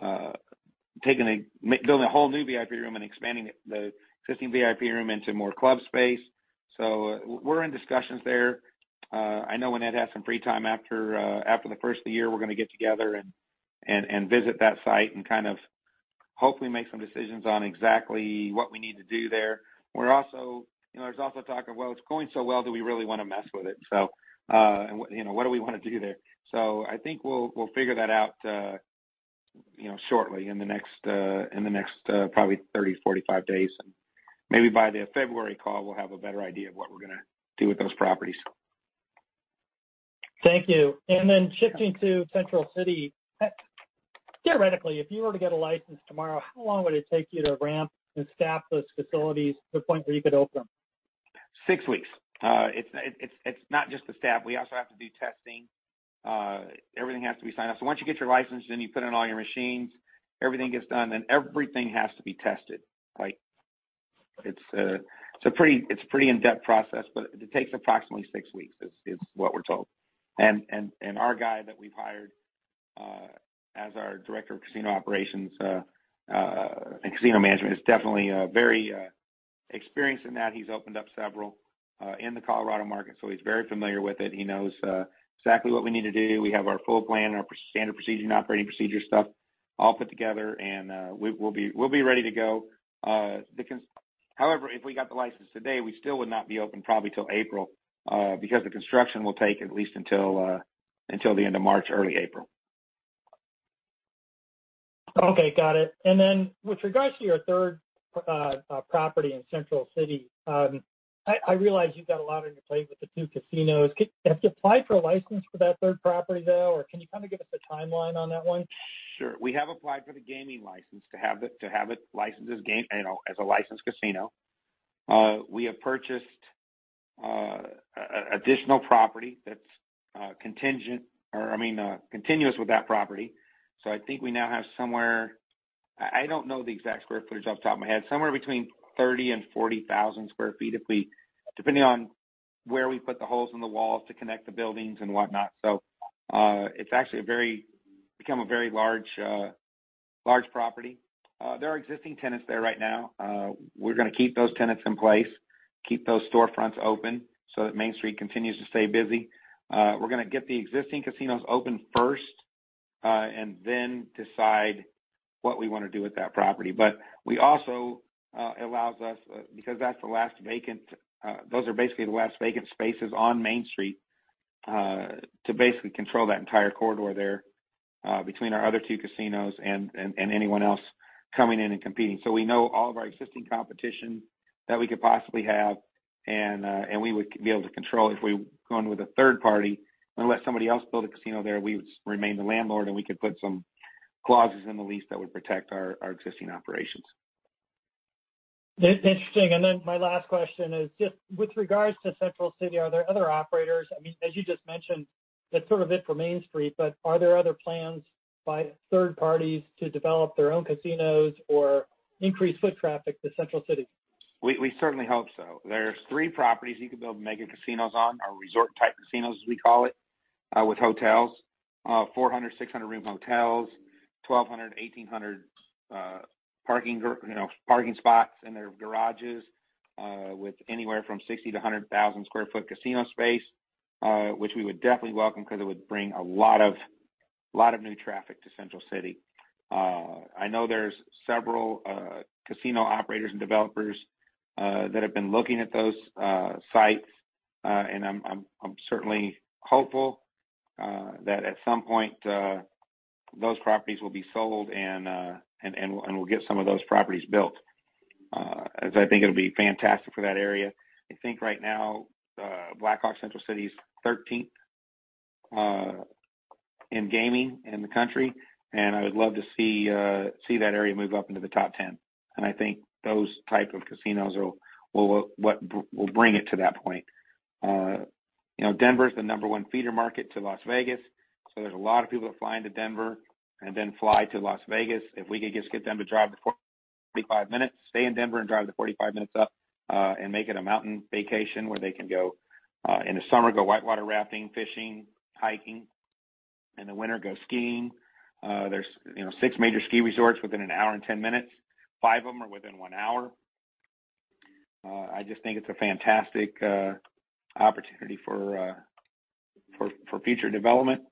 building a whole new VIP room and expanding the existing VIP room into more club space. So we're in discussions there. I know when Ed has some free time after the first of the year, we're gonna get together and visit that site and kind of hopefully make some decisions on exactly what we need to do there. We're also... You know, there's also talk of, well, it's going so well, do we really want to mess with it? So, you know, what do we want to do there? So I think we'll figure that out, you know, shortly, in the next probably 30-45 days. Maybe by the February call, we'll have a better idea of what we're gonna do with those properties. Thank you. Then shifting to Central City, theoretically, if you were to get a license tomorrow, how long would it take you to ramp and staff those facilities to the point where you could open them? six weeks. It's not just the staff. We also have to do testing. Everything has to be signed off. So once you get your license, then you put in all your machines, everything gets done, then everything has to be tested. Like, it's a pretty in-depth process, but it takes approximately six weeks, is what we're told. And our guy that we've hired, as our director of casino operations, and casino management, is definitely very experienced in that. He's opened up several in the Colorado market, so he's very familiar with it. He knows exactly what we need to do. We have our full plan, our standard operating procedure stuff all put together, and we'll be ready to go. However, if we got the license today, we still would not be open probably till April, because the construction will take at least until the end of March, early April. Okay, got it. And then with regards to your third property in Central City, I realize you've got a lot on your plate with the two casinos. Have you applied for a license for that third property, though, or can you kind of give us a timeline on that one? Sure. We have applied for the gaming license to have it, to have it licensed as gaming, you know, as a licensed casino. We have purchased an additional property that's contingent, or I mean, continuous with that property. So I think we now have somewhere. I don't know the exact square footage off the top of my head, somewhere between 30,000 and 40,000 sq ft, depending on where we put the holes in the walls to connect the buildings and whatnot. So, it's actually become a very large property. There are existing tenants there right now. We're gonna keep those tenants in place, keep those storefronts open, so that Main Street continues to stay busy. We're gonna get the existing casinos open first, and then decide what we want to do with that property. But we also, it allows us, because that's the last vacant, those are basically the last vacant spaces on Main Street, to basically control that entire corridor there, between our other two casinos and anyone else coming in and competing. So we know all of our existing competition that we could possibly have, and we would be able to control if we've gone with a third party. Unless somebody else built a casino there, we would remain the landlord, and we could put some clauses in the lease that would protect our existing operations. Interesting. And then my last question is, just with regards to Central City, are there other operators? I mean, as you just mentioned, that's sort of it for Main Street, but are there other plans by third parties to develop their own casinos or increase foot traffic to Central City? We certainly hope so. There's three properties you could build mega casinos on, or resort-type casinos, as we call it, with hotels. Four hundred, six hundred room hotels, 1,200, 1,800, you know, parking spots in their garages, with anywhere from 60-100,000 sq ft casino space, which we would definitely welcome because it would bring a lot of, a lot of new traffic to Central City. I know there's several casino operators and developers that have been looking at those sites, and I'm certainly hopeful that at some point those properties will be sold and we'll get some of those properties built, as I think it'll be fantastic for that area. I think right now, Black Hawk, Central City is 13th in gaming in the country, and I would love to see that area move up into the top 10. I think those type of casinos are what will bring it to that point. You know, Denver is the number one feeder market to Las Vegas, so there's a lot of people that fly into Denver and then fly to Las Vegas. If we could just get them to drive the 45 minutes, stay in Denver and drive the 45 minutes up, and make it a mountain vacation where they can go in the summer, go whitewater rafting, fishing, hiking. In the winter, go skiing. There's, you know, six major ski resorts within an hour and 10 minutes. Five of them are within one hour. I just think it's a fantastic opportunity for future development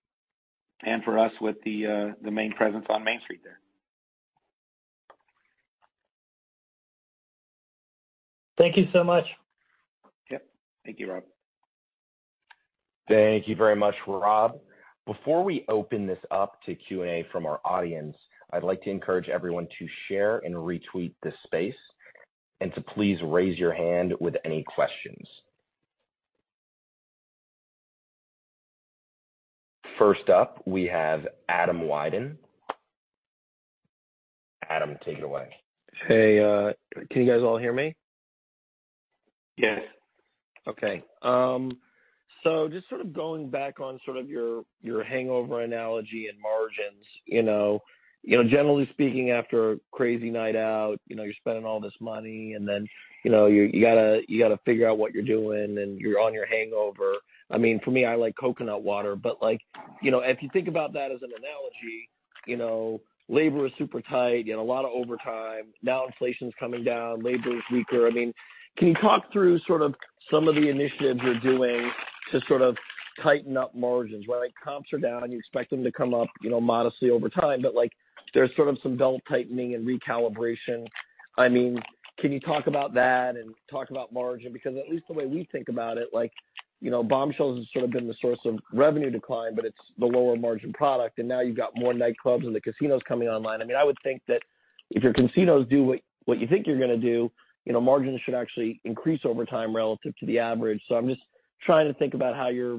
and for us with the main presence on Main Street there. Thank you so much. Yep. Thank you, Rob. Thank you very much, Rob. Before we open this up to Q&A from our audience, I'd like to encourage everyone to share and retweet this space and to please raise your hand with any questions. First up, we have Adam Wyden. Adam, take it away. Hey, can you guys all hear me? Yes. Okay. So just sort of going back on sort of your, your hangover analogy and margins, you know, generally speaking, after a crazy night out, you know, you're spending all this money, and then, you know, you, you got to, you got to figure out what you're doing, and you're on your hangover. I mean, for me, I like coconut water, but like, you know, if you think about that as an analogy, you know, labor is super tight, you got a lot of overtime. Now, inflation's coming down, labor is weaker. I mean, can you talk through sort of some of the initiatives you're doing to sort of tighten up margins? While comps are down, you expect them to come up, you know, modestly over time, but like, there's sort of some belt-tightening and recalibration. I mean, can you talk about that and talk about margin? Because at least the way we think about it, like, you know, Bombshells has sort of been the source of revenue decline, but it's the lower margin product, and now you've got more nightclubs and the casinos coming online. I mean, I would think that if your casinos do what you think you're gonna do, you know, margins should actually increase over time relative to the average. So I'm just trying to think about how you're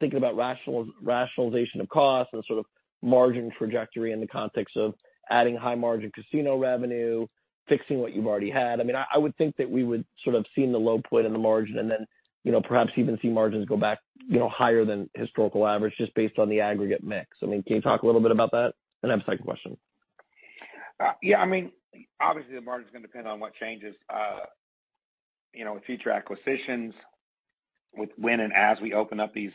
thinking about rationalization of costs and sort of margin trajectory in the context of adding high-margin casino revenue, fixing what you've already had. I mean, I would think that we would sort of seen the low point in the margin and then, you know, perhaps even see margins go back, you know, higher than historical average, just based on the aggregate mix. I mean, can you talk a little bit about that? I have a second question. Yeah, I mean, obviously, the margin is going to depend on what changes, you know, with future acquisitions, with when and as we open up these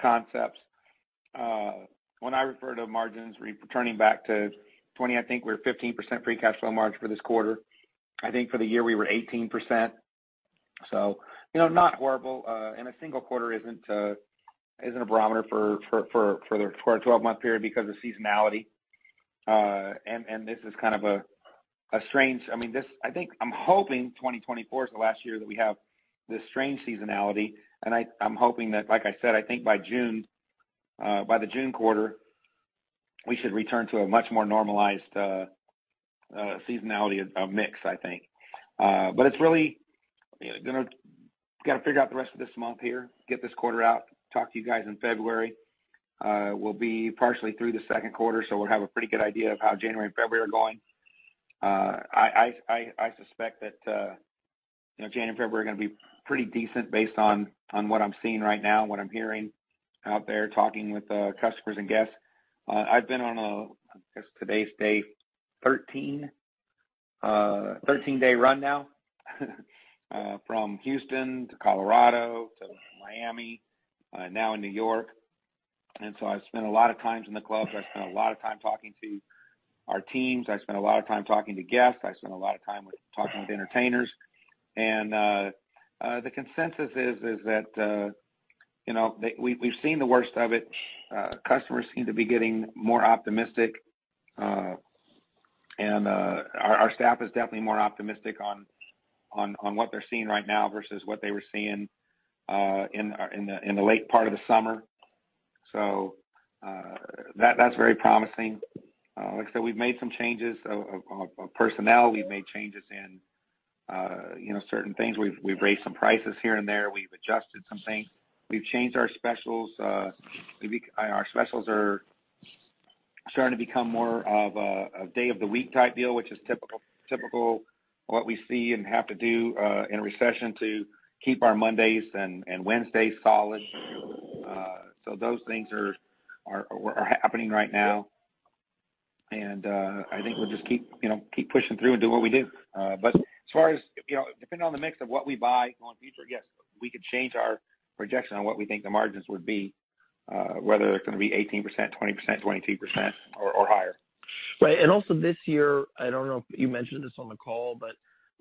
concepts. When I refer to margins returning back to 20, I think we're 15% free cash flow margin for this quarter. I think for the year, we were 18%. So, you know, not horrible, and a single quarter isn't a barometer for the twelve-month period because of seasonality. And this is kind of a strange. I mean, this. I think I'm hoping 2024 is the last year that we have this strange seasonality. And I'm hoping that, like I said, I think by June, by the June quarter, we should return to a much more normalized seasonality of mix, I think. But it's really gonna got to figure out the rest of this month here, get this quarter out, talk to you guys in February. We'll be partially through the second quarter, so we'll have a pretty good idea of how January and February are going. I suspect that, you know, January and February are gonna be pretty decent based on what I'm seeing right now and what I'm hearing out there, talking with customers and guests. I've been on a, I guess today's day 13, 13-day run now, from Houston to Colorado to Miami, now in New York. And so I've spent a lot of times in the clubs. I've spent a lot of time talking to our teams. I've spent a lot of time talking to guests. I've spent a lot of time talking with entertainers. The consensus is that, you know, they've seen the worst of it. Customers seem to be getting more optimistic, and our staff is definitely more optimistic on what they're seeing right now versus what they were seeing in the late part of the summer. So, that's very promising. Like I said, we've made some changes of personnel. We've made changes in, you know, certain things. We've raised some prices here and there. We've adjusted some things. We've changed our specials. Our specials are starting to become more of a day-of-the-week type deal, which is typical what we see and have to do in a recession to keep our Mondays and Wednesdays solid. So those things are happening right now. I think we'll just keep, you know, keep pushing through and do what we do. But as far as, you know, depending on the mix of what we buy going future, yes, we could change our projection on what we think the margins would be, whether they're gonna be 18%, 20%, 22% or higher. ... Right, and also this year, I don't know if you mentioned this on the call, but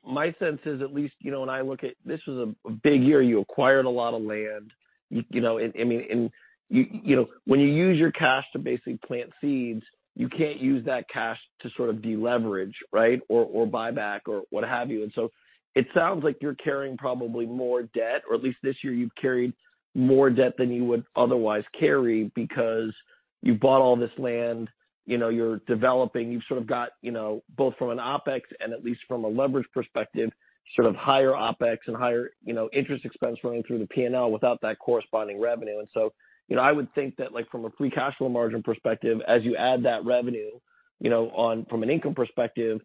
my sense is at least, you know, when I look at—this was a big year. You acquired a lot of land, you know, and I mean, and you know, when you use your cash to basically plant seeds, you can't use that cash to sort of deleverage, right, or buy back or what have you. And so it sounds like you're carrying probably more debt, or at least this year you've carried more debt than you would otherwise carry because you bought all this land, you know, you're developing. You've sort of got, you know, both from an OpEx and at least from a leverage perspective, sort of higher OpEx and higher, you know, interest expense running through the P&L without that corresponding revenue. And so, you know, I would think that, like, from a free cash flow margin perspective, as you add that revenue, you know, on from an income perspective,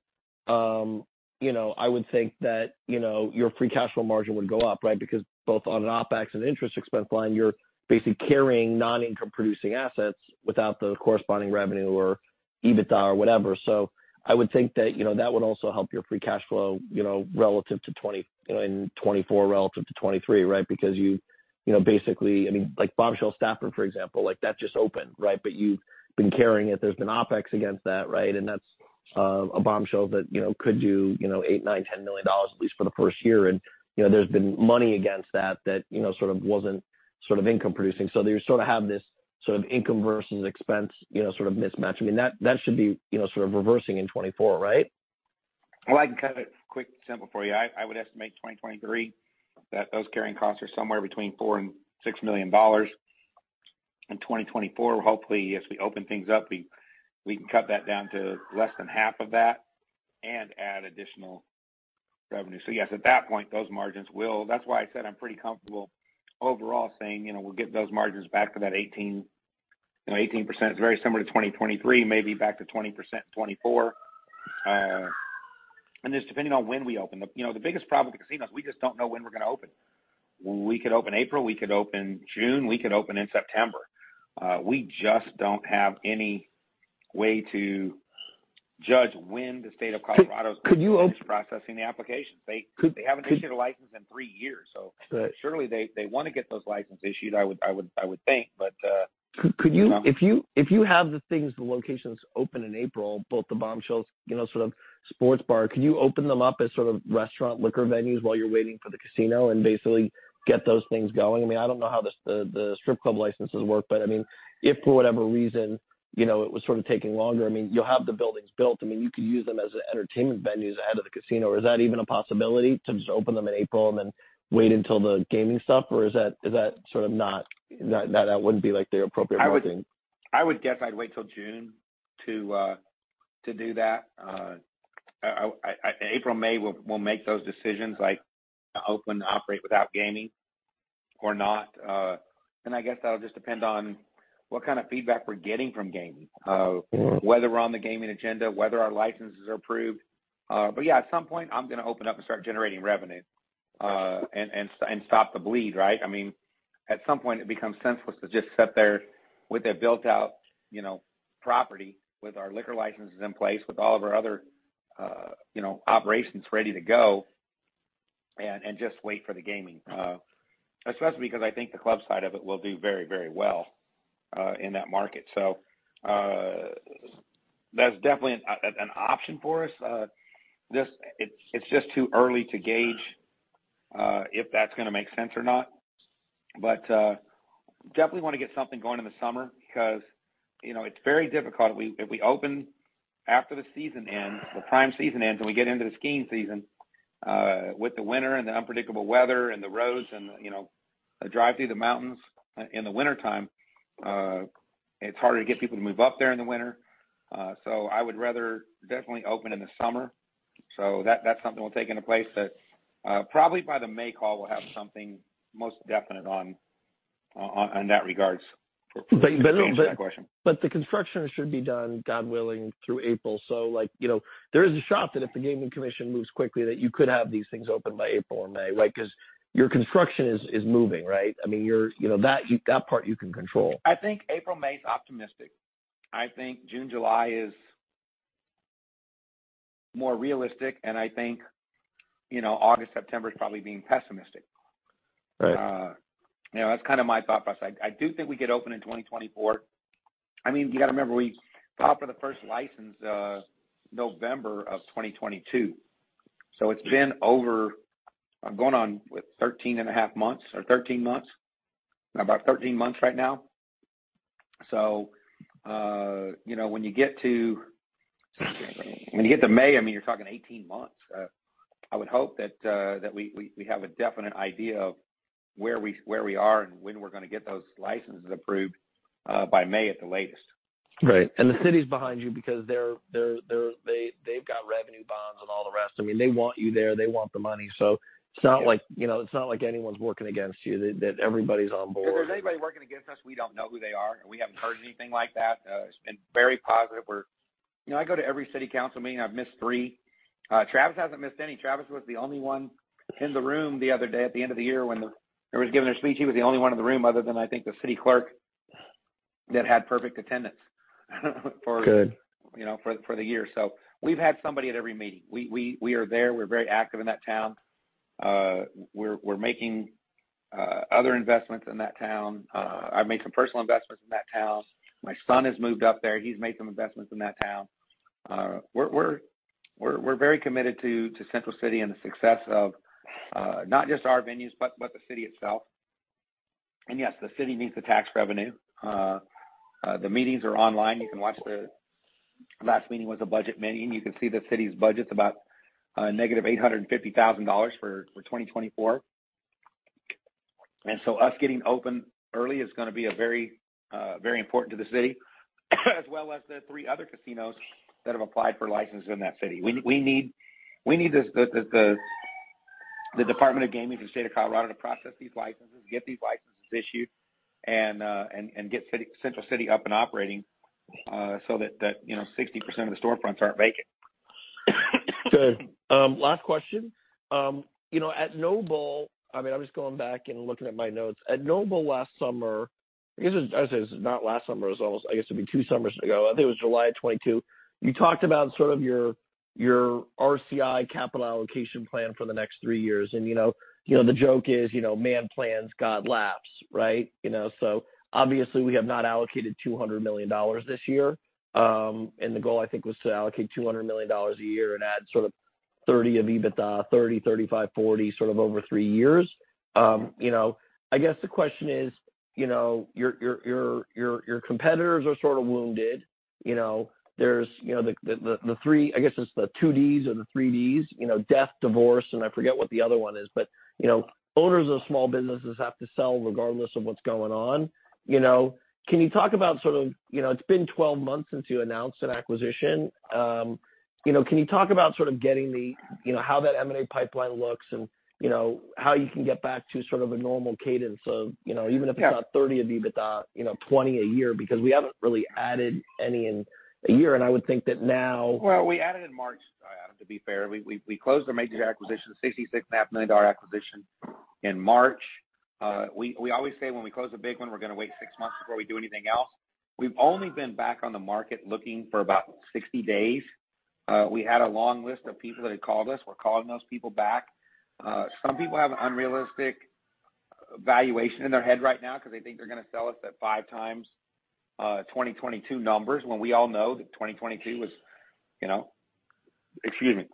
you know, I would think that, you know, your free cash flow margin would go up, right? Because both on an OpEx and interest expense line, you're basically carrying non-income producing assets without the corresponding revenue or EBITDA or whatever. So I would think that, you know, that would also help your free cash flow, you know, relative to you know, in 2024 relative to 2023, right? Because you, you know, basically, I mean, like Bombshells Stafford, for example, like, that just opened, right? But you've been carrying it. There's been OpEx against that, right? And that's a Bombshells that, you know, could do, you know, $8 million-$10 million, at least for the first year. You know, there's been money against that, that, you know, sort of wasn't sort of income producing. So you sort of have this sort of income versus expense, you know, sort of mismatch. I mean, that, that should be, you know, sort of reversing in 2024, right? Well, I can cut it quick and simple for you. I would estimate 2023, that those carrying costs are somewhere between $4 million-$6 million. In 2024, hopefully, as we open things up, we can cut that down to less than half of that and add additional revenue. So yes, at that point, those margins will. That's why I said I'm pretty comfortable overall saying, you know, we'll get those margins back to that 18%. You know, 18% is very similar to 2023, maybe back to 20% in 2024. And just depending on when we open the. You know, the biggest problem with the casinos, we just don't know when we're going to open. We could open April, we could open June, we could open in September. We just don't have any way to judge when the state of Colorado- Could you open- is processing the applications. They haven't issued a license in three years, so- Right. Surely they want to get those licenses issued. I would think, but. Could you- Um. If you, if you have the things, the locations open in April, both the Bombshells, you know, sort of sports bar, could you open them up as sort of restaurant liquor venues while you're waiting for the casino and basically get those things going? I mean, I don't know how the strip club licenses work, but I mean, if for whatever reason, you know, it was sort of taking longer, I mean, you'll have the buildings built. I mean, you could use them as entertainment venues ahead of the casino. Is that even a possibility, to just open them in April and then wait until the gaming stuff? Or is that sort of not, that wouldn't be, like, the appropriate wording? I would guess I'd wait till June to do that. April, May, we'll make those decisions, like to open and operate without gaming or not. And I guess that'll just depend on what kind of feedback we're getting from gaming, whether we're on the gaming agenda, whether our licenses are approved. But yeah, at some point, I'm gonna open up and start generating revenue, and stop the bleed, right? I mean, at some point it becomes senseless to just sit there with a built-out, you know, property, with our liquor licenses in place, with all of our other, you know, operations ready to go, and just wait for the gaming. Especially because I think the club side of it will do very, very well in that market. So, that's definitely an option for us. Just, it's just too early to gauge if that's gonna make sense or not. But, definitely want to get something going in the summer, because, you know, it's very difficult if we open after the season ends, the prime season ends, and we get into the skiing season with the winter and the unpredictable weather and the roads and, you know, a drive through the mountains in the wintertime. It's harder to get people to move up there in the winter. So I would rather definitely open in the summer. So that's something we'll take into place, but probably by the May call, we'll have something most definite on that regards- But, but- To answer that question. But the construction should be done, God willing, through April. So, like, you know, there is a shot that if the Gaming Commission moves quickly, that you could have these things open by April or May, right? Because your construction is moving, right? I mean, you're, you know, that part you can control. I think April, May is optimistic. I think June, July is more realistic, and I think, you know, August, September is probably being pessimistic. Right. You know, that's kind of my thought process. I do think we get open in 2024. I mean, you got to remember, we applied for the first license November of 2022. So it's been over, going on, what, 13.5 months, or 13 months? About 13 months right now. So, you know, when you get to May, I mean, you're talking 18 months. I would hope that we have a definite idea of where we are and when we're gonna get those licenses approved by May at the latest. Right. And the city's behind you because they're-- they, they've got revenue, bonds, and all the rest. I mean, they want you there. They want the money. So- Yes... it's not like, you know, it's not like anyone's working against you, that, that everybody's on board. If there's anybody working against us, we don't know who they are, and we haven't heard anything like that. It's been very positive. We're-- You know, I go to every city council meeting. I've missed three. Travis hasn't missed any. Travis was the only one in the room the other day at the end of the year when everyone was giving their speech, he was the only one in the room, other than I think the city clerk, that had perfect attendance, for- Good... you know, for the year. So we've had somebody at every meeting. We are there. We're very active in that town. We're making other investments in that town. I've made some personal investments in that town. My son has moved up there. He's made some investments in that town. We're very committed to Central City and the success of not just our venues, but the city itself. And yes, the city needs the tax revenue. The meetings are online. You can watch them. The last meeting was a budget meeting. You can see the city's budget's about -$850,000 for 2024. So us getting open early is gonna be a very, very important to the city, as well as the three other casinos that have applied for licenses in that city. We need the Department of Gaming for the State of Colorado to process these licenses, get these licenses issued, and get Central City up and operating, so that, you know, 60% of the storefronts aren't vacant. Good. Last question. You know, at Noble, I mean, I'm just going back and looking at my notes. At Noble last summer, I guess, I'd say this is not last summer. It was almost, I guess, it'd be two summers ago. I think it was July of 2022. You talked about sort of your, your RCI capital allocation plan for the next three years. And, you know, the joke is, you know, "Man plans, God laughs," right? You know, so obviously, we have not allocated $200 million this year. And the goal, I think, was to allocate $200 million a year and add sort of 30 of EBITDA, 30, 35, 40, sort of over three years. You know, I guess the question is, you know, your, your, your, your, your competitors are sort of wounded. You know, there's, you know, the three-- I guess it's the two Ds or the three Ds, you know, death, divorce, and I forget what the other one is. But, you know, owners of small businesses have to sell regardless of what's going on, you know. Can you talk about sort of... You know, it's been 12 months since you announced an acquisition. You know, can you talk about sort of getting the, you know, how that M&A pipeline looks and, you know, how you can get back to sort of a normal cadence of, you know, even if it's not 30 of EBITDA, you know, 20 a year, because we haven't really added any in a year, and I would think that now- Well, we added in March, to be fair. We closed our major acquisition, $66.5 million acquisition in March. We always say when we close a big one, we're going to wait six months before we do anything else. We've only been back on the market looking for about 60 days. We had a long list of people that had called us. We're calling those people back. Some people have an unrealistic valuation in their head right now because they think they're going to sell us at 5x 2022 numbers, when we all know that 2022 was, you know, excuse me,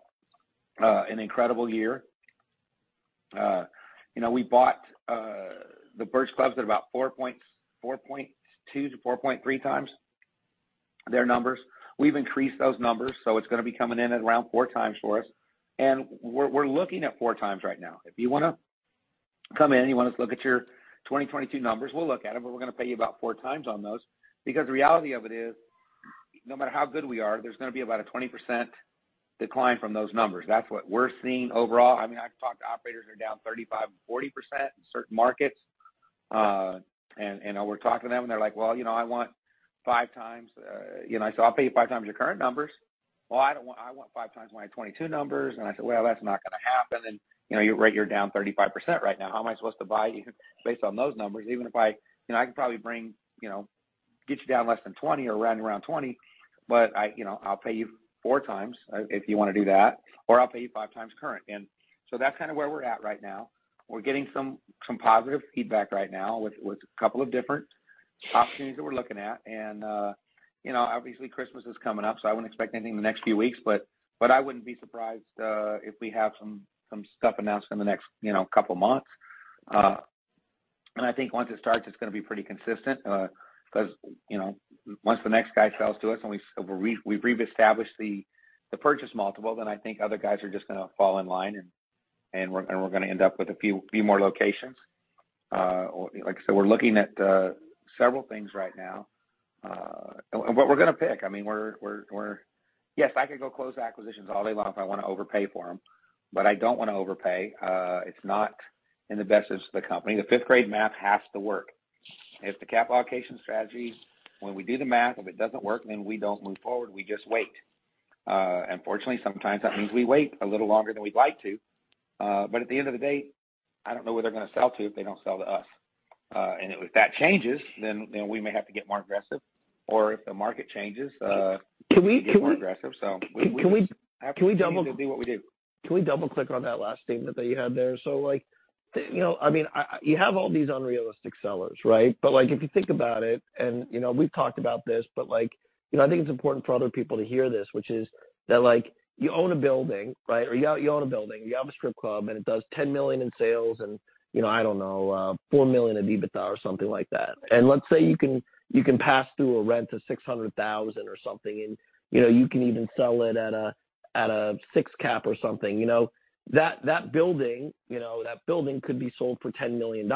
an incredible year. You know, we bought the Burch clubs at about 4.2x-4.3x their numbers. We've increased those numbers, so it's gonna be coming in at around 4x for us, and we're looking at 4x right now. If you wanna come in and you want us to look at your 2022 numbers, we'll look at them, but we're gonna pay you about 4x on those. Because the reality of it is, no matter how good we are, there's gonna be about a 20% decline from those numbers. That's what we're seeing overall. I mean, I've talked to operators who are down 35% and 40% in certain markets. And we're talking to them, and they're like: Well, you know, I want 5x. You know, so I'll pay you 5x your current numbers. Well, I don't want—I want 5x my 2022 numbers. And I said: Well, that's not gonna happen. You know, you're right, you're down 35% right now. How am I supposed to buy you based on those numbers? Even if I... You know, I can probably bring, you know, get you down less than 20 or around, around 20, but I, you know, I'll pay you 4x if you want to do that, or I'll pay you 5x current. And so that's kind of where we're at right now. We're getting some, some positive feedback right now with, with a couple of different opportunities that we're looking at. And, you know, obviously Christmas is coming up, so I wouldn't expect anything in the next few weeks, but, but I wouldn't be surprised if we have some, some stuff announced in the next, you know, couple of months. I think once it starts, it's gonna be pretty consistent, because, you know, once the next guy sells to us and we've reestablished the purchase multiple, then I think other guys are just gonna fall in line, and we're gonna end up with a few more locations. Like I said, we're looking at several things right now, and what we're gonna pick, I mean, we're... Yes, I could go close acquisitions all day long if I want to overpay for them, but I don't want to overpay. It's not in the best interest of the company. The fifth-grade math has to work. If the capital allocation strategy, when we do the math, if it doesn't work, then we don't move forward. We just wait. Unfortunately, sometimes that means we wait a little longer than we'd like to, but at the end of the day, I don't know who they're gonna sell to if they don't sell to us. And if that changes, then, then we may have to get more aggressive, or if the market changes, get more aggressive. Can we- We just have to continue to do what we do. Can we double-click on that last thing that you had there? So like, you know, I mean, you have all these unrealistic sellers, right? But like, if you think about it, and, you know, we've talked about this, but like, you know, I think it's important for other people to hear this, which is that, like, you own a building, right? Or you own, you own a building, you have a strip club, and it does $10 million in sales and, you know, I don't know, $4 million in EBITDA or something like that. And let's say you can, you can pass through a rent of $600,000 or something, and, you know, you can even sell it at a, at a 6 cap or something. You know, that building, you know, that building could be sold for $10 million,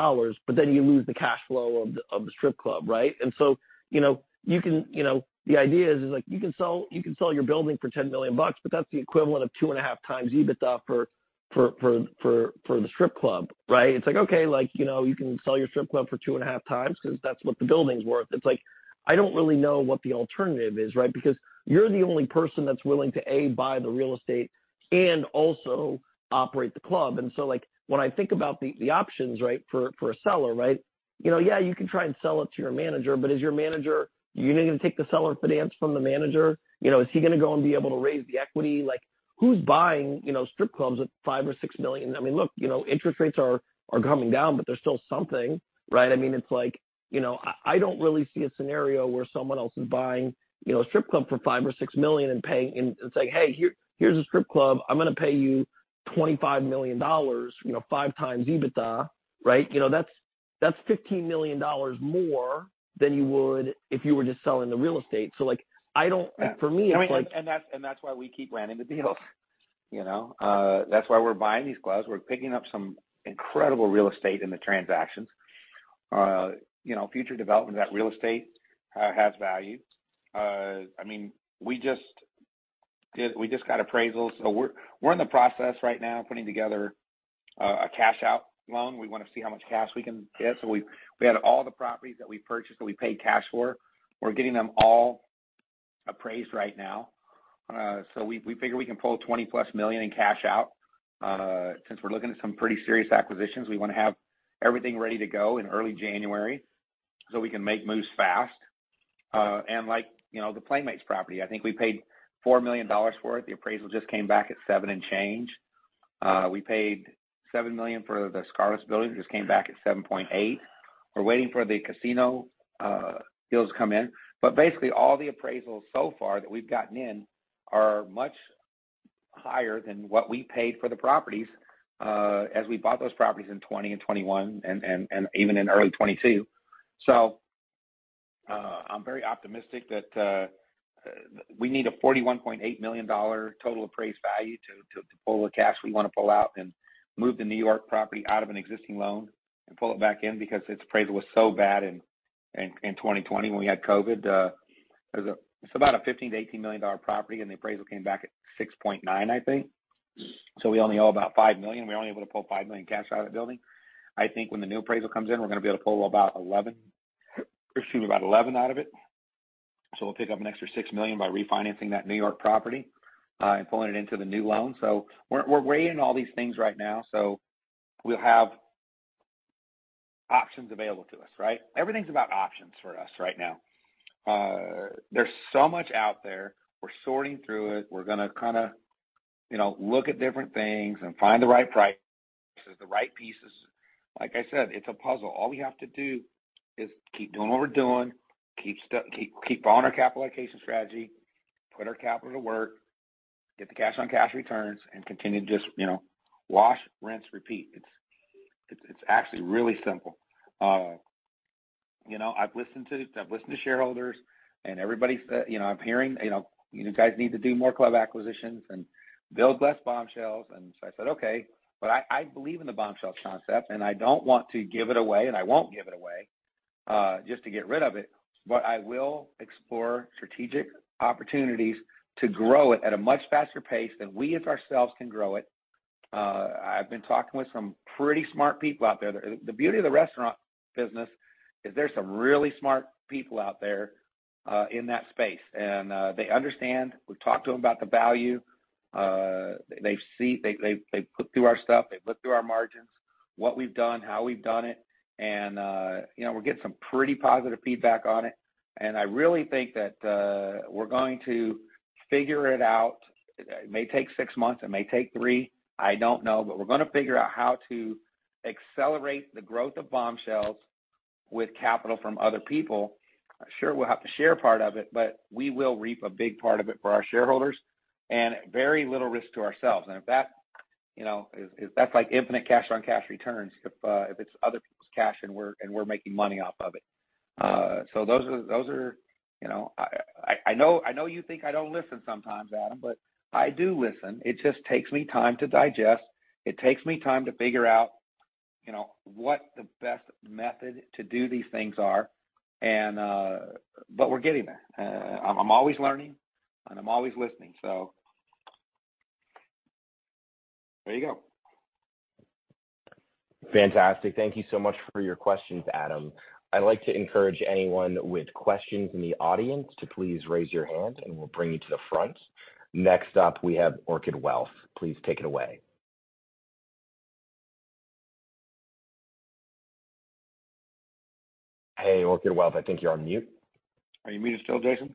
but then you lose the cash flow of the strip club, right? And so, you know, you can, you know, the idea is like you can sell, you can sell your building for $10 million bucks, but that's the equivalent of 2.5x EBITDA for the strip club, right? It's like, okay, like, you know, you can sell your strip club for 2.5x because that's what the building's worth. It's like, I don't really know what the alternative is, right? Because you're the only person that's willing to, A, buy the real estate and also operate the club. And so, like, when I think about the options, right, for a seller, right, you know, yeah, you can try and sell it to your manager, but is your manager-- are you going to take the seller finance from the manager? You know, is he going to go and be able to raise the equity? Like, who's buying, you know, strip clubs at $5 million-$6 million? I mean, look, you know, interest rates are coming down, but they're still something, right? I mean, it's like, you know, I don't really see a scenario where someone else is buying, you know, a strip club for $5 million-$6 million and paying-- and saying, "Hey, here, here's a strip club. I'm gonna pay you $25 million," you know, 5x EBITDA, right? You know, that's $15 million more than you would if you were just selling the real estate. So like, I don't... For me, it's like- And that's why we keep landing the deals. You know, that's why we're buying these clubs. We're picking up some incredible real estate in the transactions. You know, future development of that real estate has value. I mean, we just got appraisals. So we're in the process right now of putting together a cash-out loan. We want to see how much cash we can get. So we had all the properties that we purchased, that we paid cash for, we're getting them all appraised right now. So we figure we can pull $20+ million in cash out. Since we're looking at some pretty serious acquisitions, we want to have everything ready to go in early January, so we can make moves fast. And like, you know, the Playmates property, I think we paid $4 million for it. The appraisal just came back at $7 million and change. We paid $7 million for the Scarlett's building, just came back at $7.8 million. We're waiting for the casino deals to come in. But basically, all the appraisals so far that we've gotten in are much higher than what we paid for the properties, as we bought those properties in 2020 and 2021 and even in early 2022. So, I'm very optimistic that we need a $41.8 million total appraised value to pull the cash we want to pull out and move the New York property out of an existing loan and pull it back in because its appraisal was so bad in 2020 when we had COVID. There's a 15-18 million dollar property, and the appraisal came back at $6.9, I think. So we only owe about $5 million, and we're only able to pull $5 million cash out of the building. I think when the new appraisal comes in, we're gonna be able to pull about $11, excuse me, about $11 out of it. So we'll pick up an extra $6 million by refinancing that New York property, and pulling it into the new loan. So we're, we're weighing all these things right now, so we'll have options available to us, right? Everything's about options for us right now. There's so much out there. We're sorting through it. We're gonna kinda, you know, look at different things and find the right price, the right pieces. Like I said, it's a puzzle. All we have to do is keep doing what we're doing, keep on our capital allocation strategy, put our capital to work, get the cash on cash returns, and continue to just, you know, wash, rinse, repeat. It's actually really simple. You know, I've listened to shareholders, and everybody said, you know, I'm hearing, you know, "You guys need to do more club acquisitions and build less Bombshells." And so I said, "Okay," but I believe in the Bombshells concept, and I don't want to give it away, and I won't give it away just to get rid of it, but I will explore strategic opportunities to grow it at a much faster pace than we as ourselves can grow it. I've been talking with some pretty smart people out there. The beauty of the restaurant business is there's some really smart people out there in that space, and they understand. We've talked to them about the value. They've seen—they've looked through our stuff, they've looked through our margins, what we've done, how we've done it, and you know, we're getting some pretty positive feedback on it. And I really think that we're going to figure it out. It may take six months, it may take three, I don't know, but we're gonna figure out how to accelerate the growth of Bombshells with capital from other people. Sure, we'll have to share a part of it, but we will reap a big part of it for our shareholders and very little risk to ourselves. And if that, you know, if that's like infinite cash on cash returns, if it's other people's cash and we're making money off of it. So those are, you know... I know you think I don't listen sometimes, Adam, but I do listen. It just takes me time to digest. It takes me time to figure out, you know, what the best method to do these things are, and but we're getting there. I'm always learning, and I'm always listening, so there you go. Fantastic. Thank you so much for your questions, Adam. I'd like to encourage anyone with questions in the audience to please raise your hand, and we'll bring you to the front. Next up, we have Orchid Wealth. Please take it away. Hey, Orchid Wealth, I think you're on mute. Are you muted still, Jason?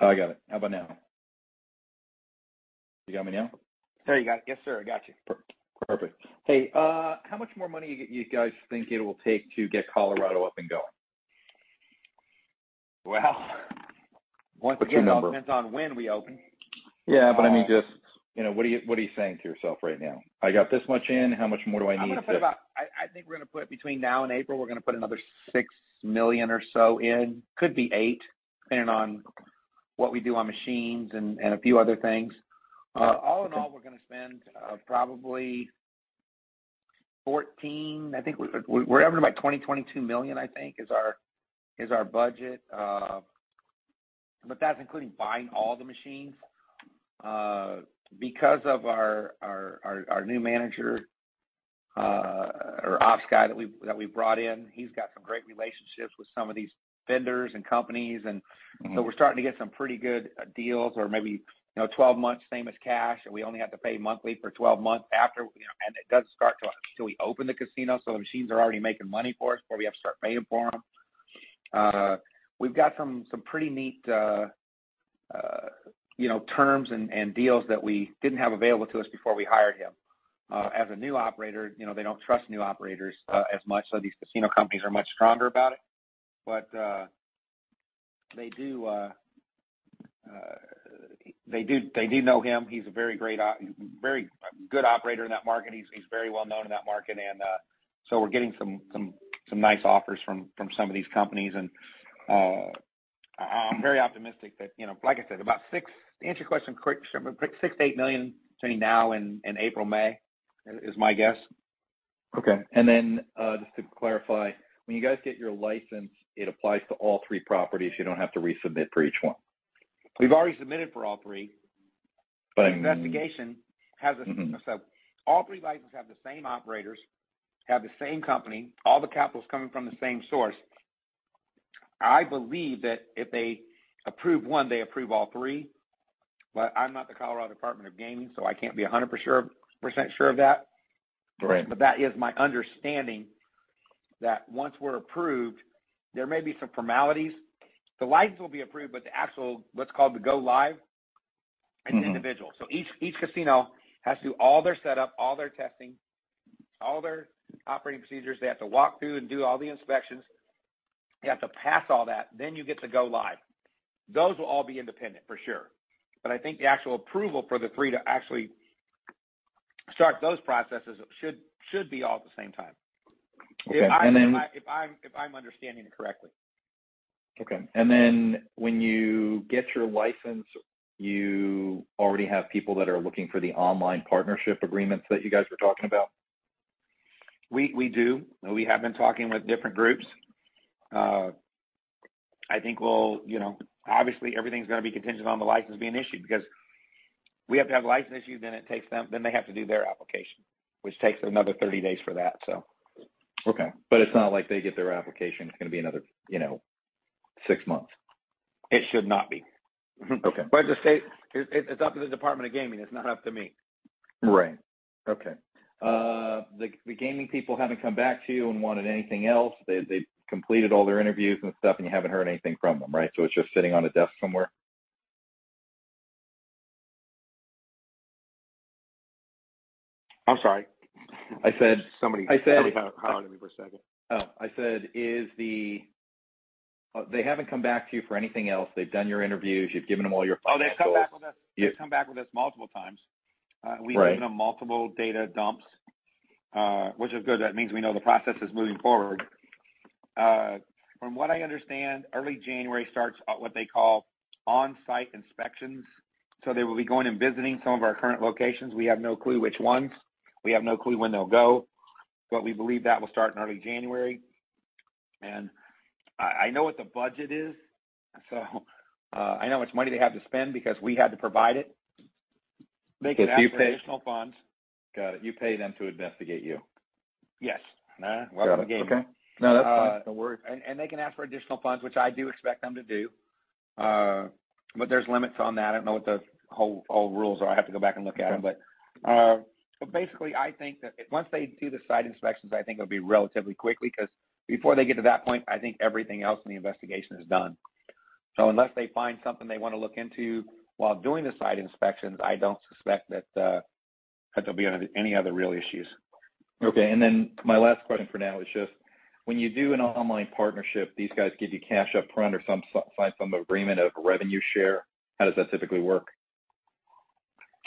I got it. How about now? You got me now?\ There you go. Yes, sir, I got you. Perfect. Perfect. Hey, how much more money you guys think it will take to get Colorado up and going? Well, once again- What's your number? -it depends on when we open. Yeah, but I mean, just, you know, what are you, what are you saying to yourself right now? I got this much in, how much more do I need to- I'm gonna put about... I think we're gonna put between now and April, we're gonna put another $6 million or so in. Could be $8 million, depending on what we do on machines and a few other things. All in all, we're gonna spend, probably $14 million... I think we're up to about $22 million, I think, is our budget. But that's including buying all the machines. Because of our new manager or ops guy that we brought in, he's got some great relationships with some of these vendors and companies, and so we're starting to get some pretty good deals or maybe, you know, twelve months same as cash, and we only have to pay monthly for twelve months after, you know, and it doesn't start till we open the casino. So the machines are already making money for us before we have to start paying for them. We've got some pretty neat, you know, terms and deals that we didn't have available to us before we hired him. As a new operator, you know, they don't trust new operators as much, so these casino companies are much stronger about it. But, they do, they do know him. He's a very good operator in that market. He's very well known in that market, and so we're getting some nice offers from some of these companies. And, I'm very optimistic that, you know... Like I said, to answer your question quick, $6 million-$8 million between now and April, May, is my guess. Okay. And then, just to clarify, when you guys get your license, it applies to all three properties. You don't have to resubmit for each one? We've already submitted for all three. But- The investigation has a- Mm-hmm. So all three licenses have the same operators, have the same company, all the capital's coming from the same source. I believe that if they approve one, they approve all three, but I'm not the Colorado Department of Gaming, so I can't be 100% sure of that. Right. But that is my understanding, that once we're approved, there may be some formalities. The license will be approved, but the actual, what's called the go-live- Mm-hmm... is individual. So each casino has to do all their setup, all their testing, all their operating procedures. They have to walk through and do all the inspections. They have to pass all that, then you get to go live. Those will all be independent, for sure. But I think the actual approval for the three to actually start those processes should be all at the same time. Okay, and then- If I'm understanding it correctly. Okay. And then when you get your license, you already have people that are looking for the online partnership agreements that you guys were talking about? We do. We have been talking with different groups. I think we'll, you know, obviously, everything's going to be contingent on the license being issued because we have to have the license issued, then they have to do their application, which takes another 30 days for that, so. Okay, but it's not like they get their application, it's going to be another, you know, six months? It should not be. Okay. But just say it, it's up to the Department of Gaming. It's not up to me. Right. Okay. The gaming people haven't come back to you and wanted anything else? They've completed all their interviews and stuff, and you haven't heard anything from them, right? So it's just sitting on a desk somewhere. I'm sorry? I said- Somebody- I said- Somebody hired me for a second. Oh, I said, is the... They haven't come back to you for anything else. They've done your interviews. You've given them all your- Oh, they've come back with us- Yeah. They've come back with us multiple times. Right. We've given them multiple data dumps, which is good. That means we know the process is moving forward. From what I understand, early January starts what they call on-site inspections. So they will be going and visiting some of our current locations. We have no clue which ones. We have no clue when they'll go, but we believe that will start in early January. And I, I know what the budget is, so, I know how much money they have to spend because we had to provide it. They can ask- Because you pay- Additional funds. Got it. You pay them to investigate you. Yes. Welcome to the game. Okay. No, that's fine. Don't worry. They can ask for additional funds, which I do expect them to do, but there's limits on that. I don't know what the whole rules are. I have to go back and look at them. Okay. But basically, I think that once they do the site inspections, I think it'll be relatively quickly, because before they get to that point, I think everything else in the investigation is done. So unless they find something they want to look into while doing the site inspections, I don't suspect that there'll be any other real issues. Okay. Then my last question for now is just, when you do an online partnership, these guys give you cash up front or some, some agreement of revenue share? How does that typically work?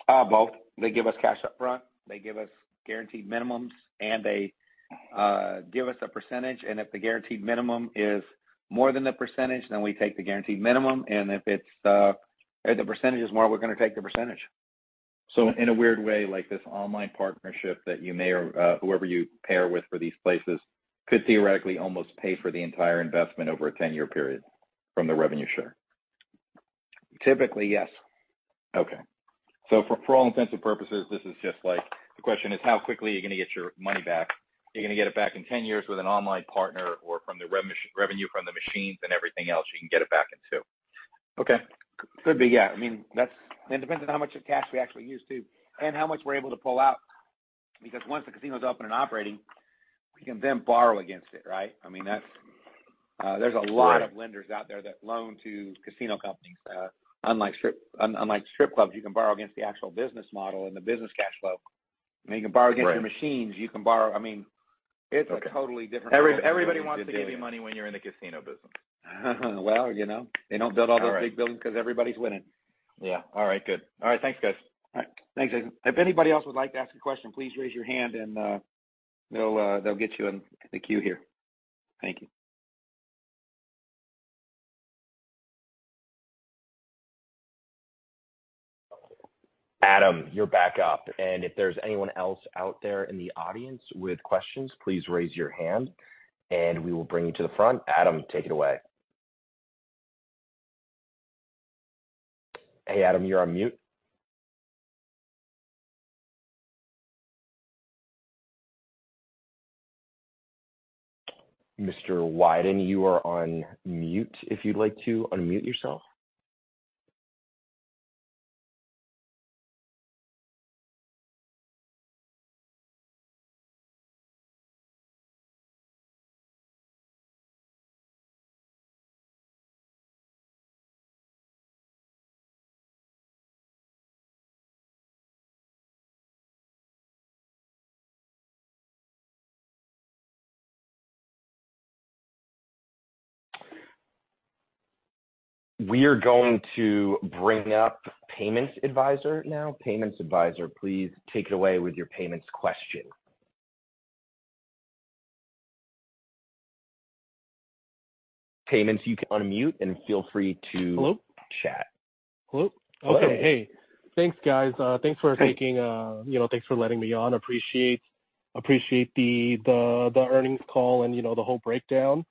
Both. They give us cash upfront, they give us guaranteed minimums, and they give us a percentage. And if the guaranteed minimum is more than the percentage, then we take the guaranteed minimum, and if it's, if the percentage is more, we're going to take the percentage. So in a weird way, like, this online partnership that you may or, whoever you pair with for these places, could theoretically almost pay for the entire investment over a 10-year period from the revenue share? Typically, yes. Okay. So for all intents and purposes, this is just like, the question is, how quickly are you going to get your money back? You're going to get it back in 10 years with an online partner or from the revenue from the machines and everything else you can get it back in 2. Okay. Could be, yeah. I mean, that's... It depends on how much cash we actually use, too, and how much we're able to pull out, because once the casino is up and operating, we can then borrow against it, right? I mean, that's, there's a lot- Right... of lenders out there that loan to casino companies. Unlike strip, unlike strip clubs, you can borrow against the actual business model and the business cash flow. I mean, you can borrow against- Right... your machines, you can borrow... I mean- Okay... it's a totally different- Everybody wants to give you money when you're in the casino business. Well, you know, they don't build all those- All right... big buildings because everybody's winning. Yeah. All right, good. All right. Thanks, guys. All right. Thanks, Jason. If anybody else would like to ask a question, please raise your hand, and they'll get you in the queue here. Thank you. Adam, you're back up. If there's anyone else out there in the audience with questions, please raise your hand, and we will bring you to the front. Adam, take it away. Hey, Adam, you're on mute. Mr. Wyden, you are on mute. If you'd like to unmute yourself. We are going to bring up Payments Advisor now. Payments Advisor, please take it away with your payments question. Payments, you can unmute and feel free to- Hello? -chat. Hello. Hello. Okay. Hey, thanks, guys. Thanks for taking, you know, thanks for letting me on. Appreciate, appreciate the earnings call and, you know, the whole breakdown.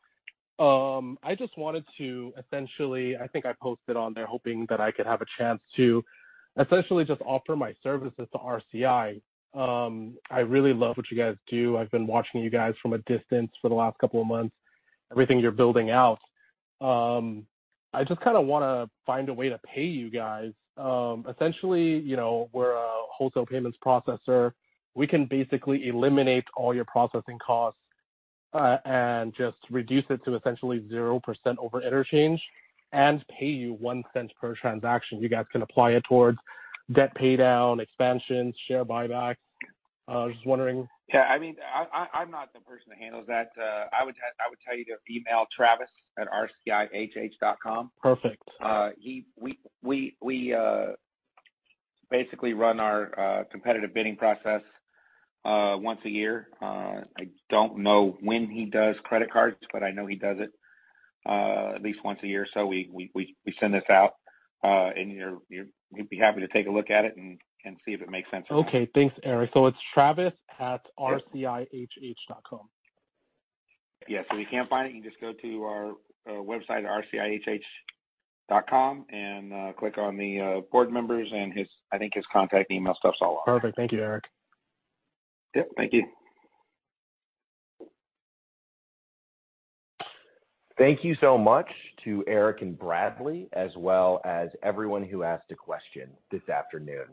I just wanted to essentially, I think I posted on there hoping that I could have a chance to essentially just offer my services to RCI. I really love what you guys do. I've been watching you guys from a distance for the last couple of months, everything you're building out. I just kinda wanna find a way to pay you guys. Essentially, you know, we're a wholesale payments processor. We can basically eliminate all your processing costs, and just reduce it to essentially 0% over interchange and pay you $0.01 per transaction. You guys can apply it towards debt paydown, expansion, share buyback. Just wondering. Yeah, I mean, I'm not the person that handles that. I would tell you to email travis@rcihh.com. Perfect. We basically run our competitive bidding process once a year. I don't know when he does credit cards, but I know he does it at least once a year. So we send this out, and he'd be happy to take a look at it and see if it makes sense. Okay. Thanks, Eric. So it's Travis@rcihh.com? Yes. So if you can't find it, you can just go to our website, rcihh.com, and click on the board members and his, I think his contact email stuff's all on there. Perfect. Thank you, Eric. Yep, thank you. Thank you so much to Eric and Bradley, as well as everyone who asked a question this afternoon.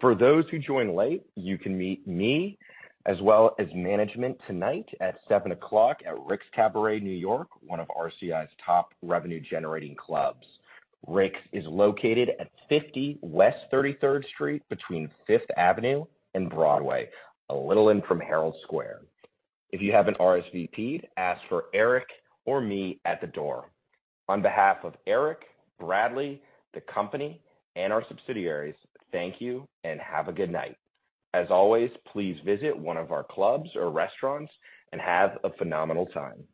For those who joined late, you can meet me as well as management tonight at 7:00 P.M. at Rick's Cabaret New York, one of RCI's top revenue-generating clubs. Rick's is located at 50 West 33rd Street between 5th Avenue and Broadway, a little in from Herald Square. If you haven't RSVP'd, ask for Eric or me at the door. On behalf of Eric, Bradley, the company, and our subsidiaries, thank you and have a good night. As always, please visit one of our clubs or restaurants and have a phenomenal time.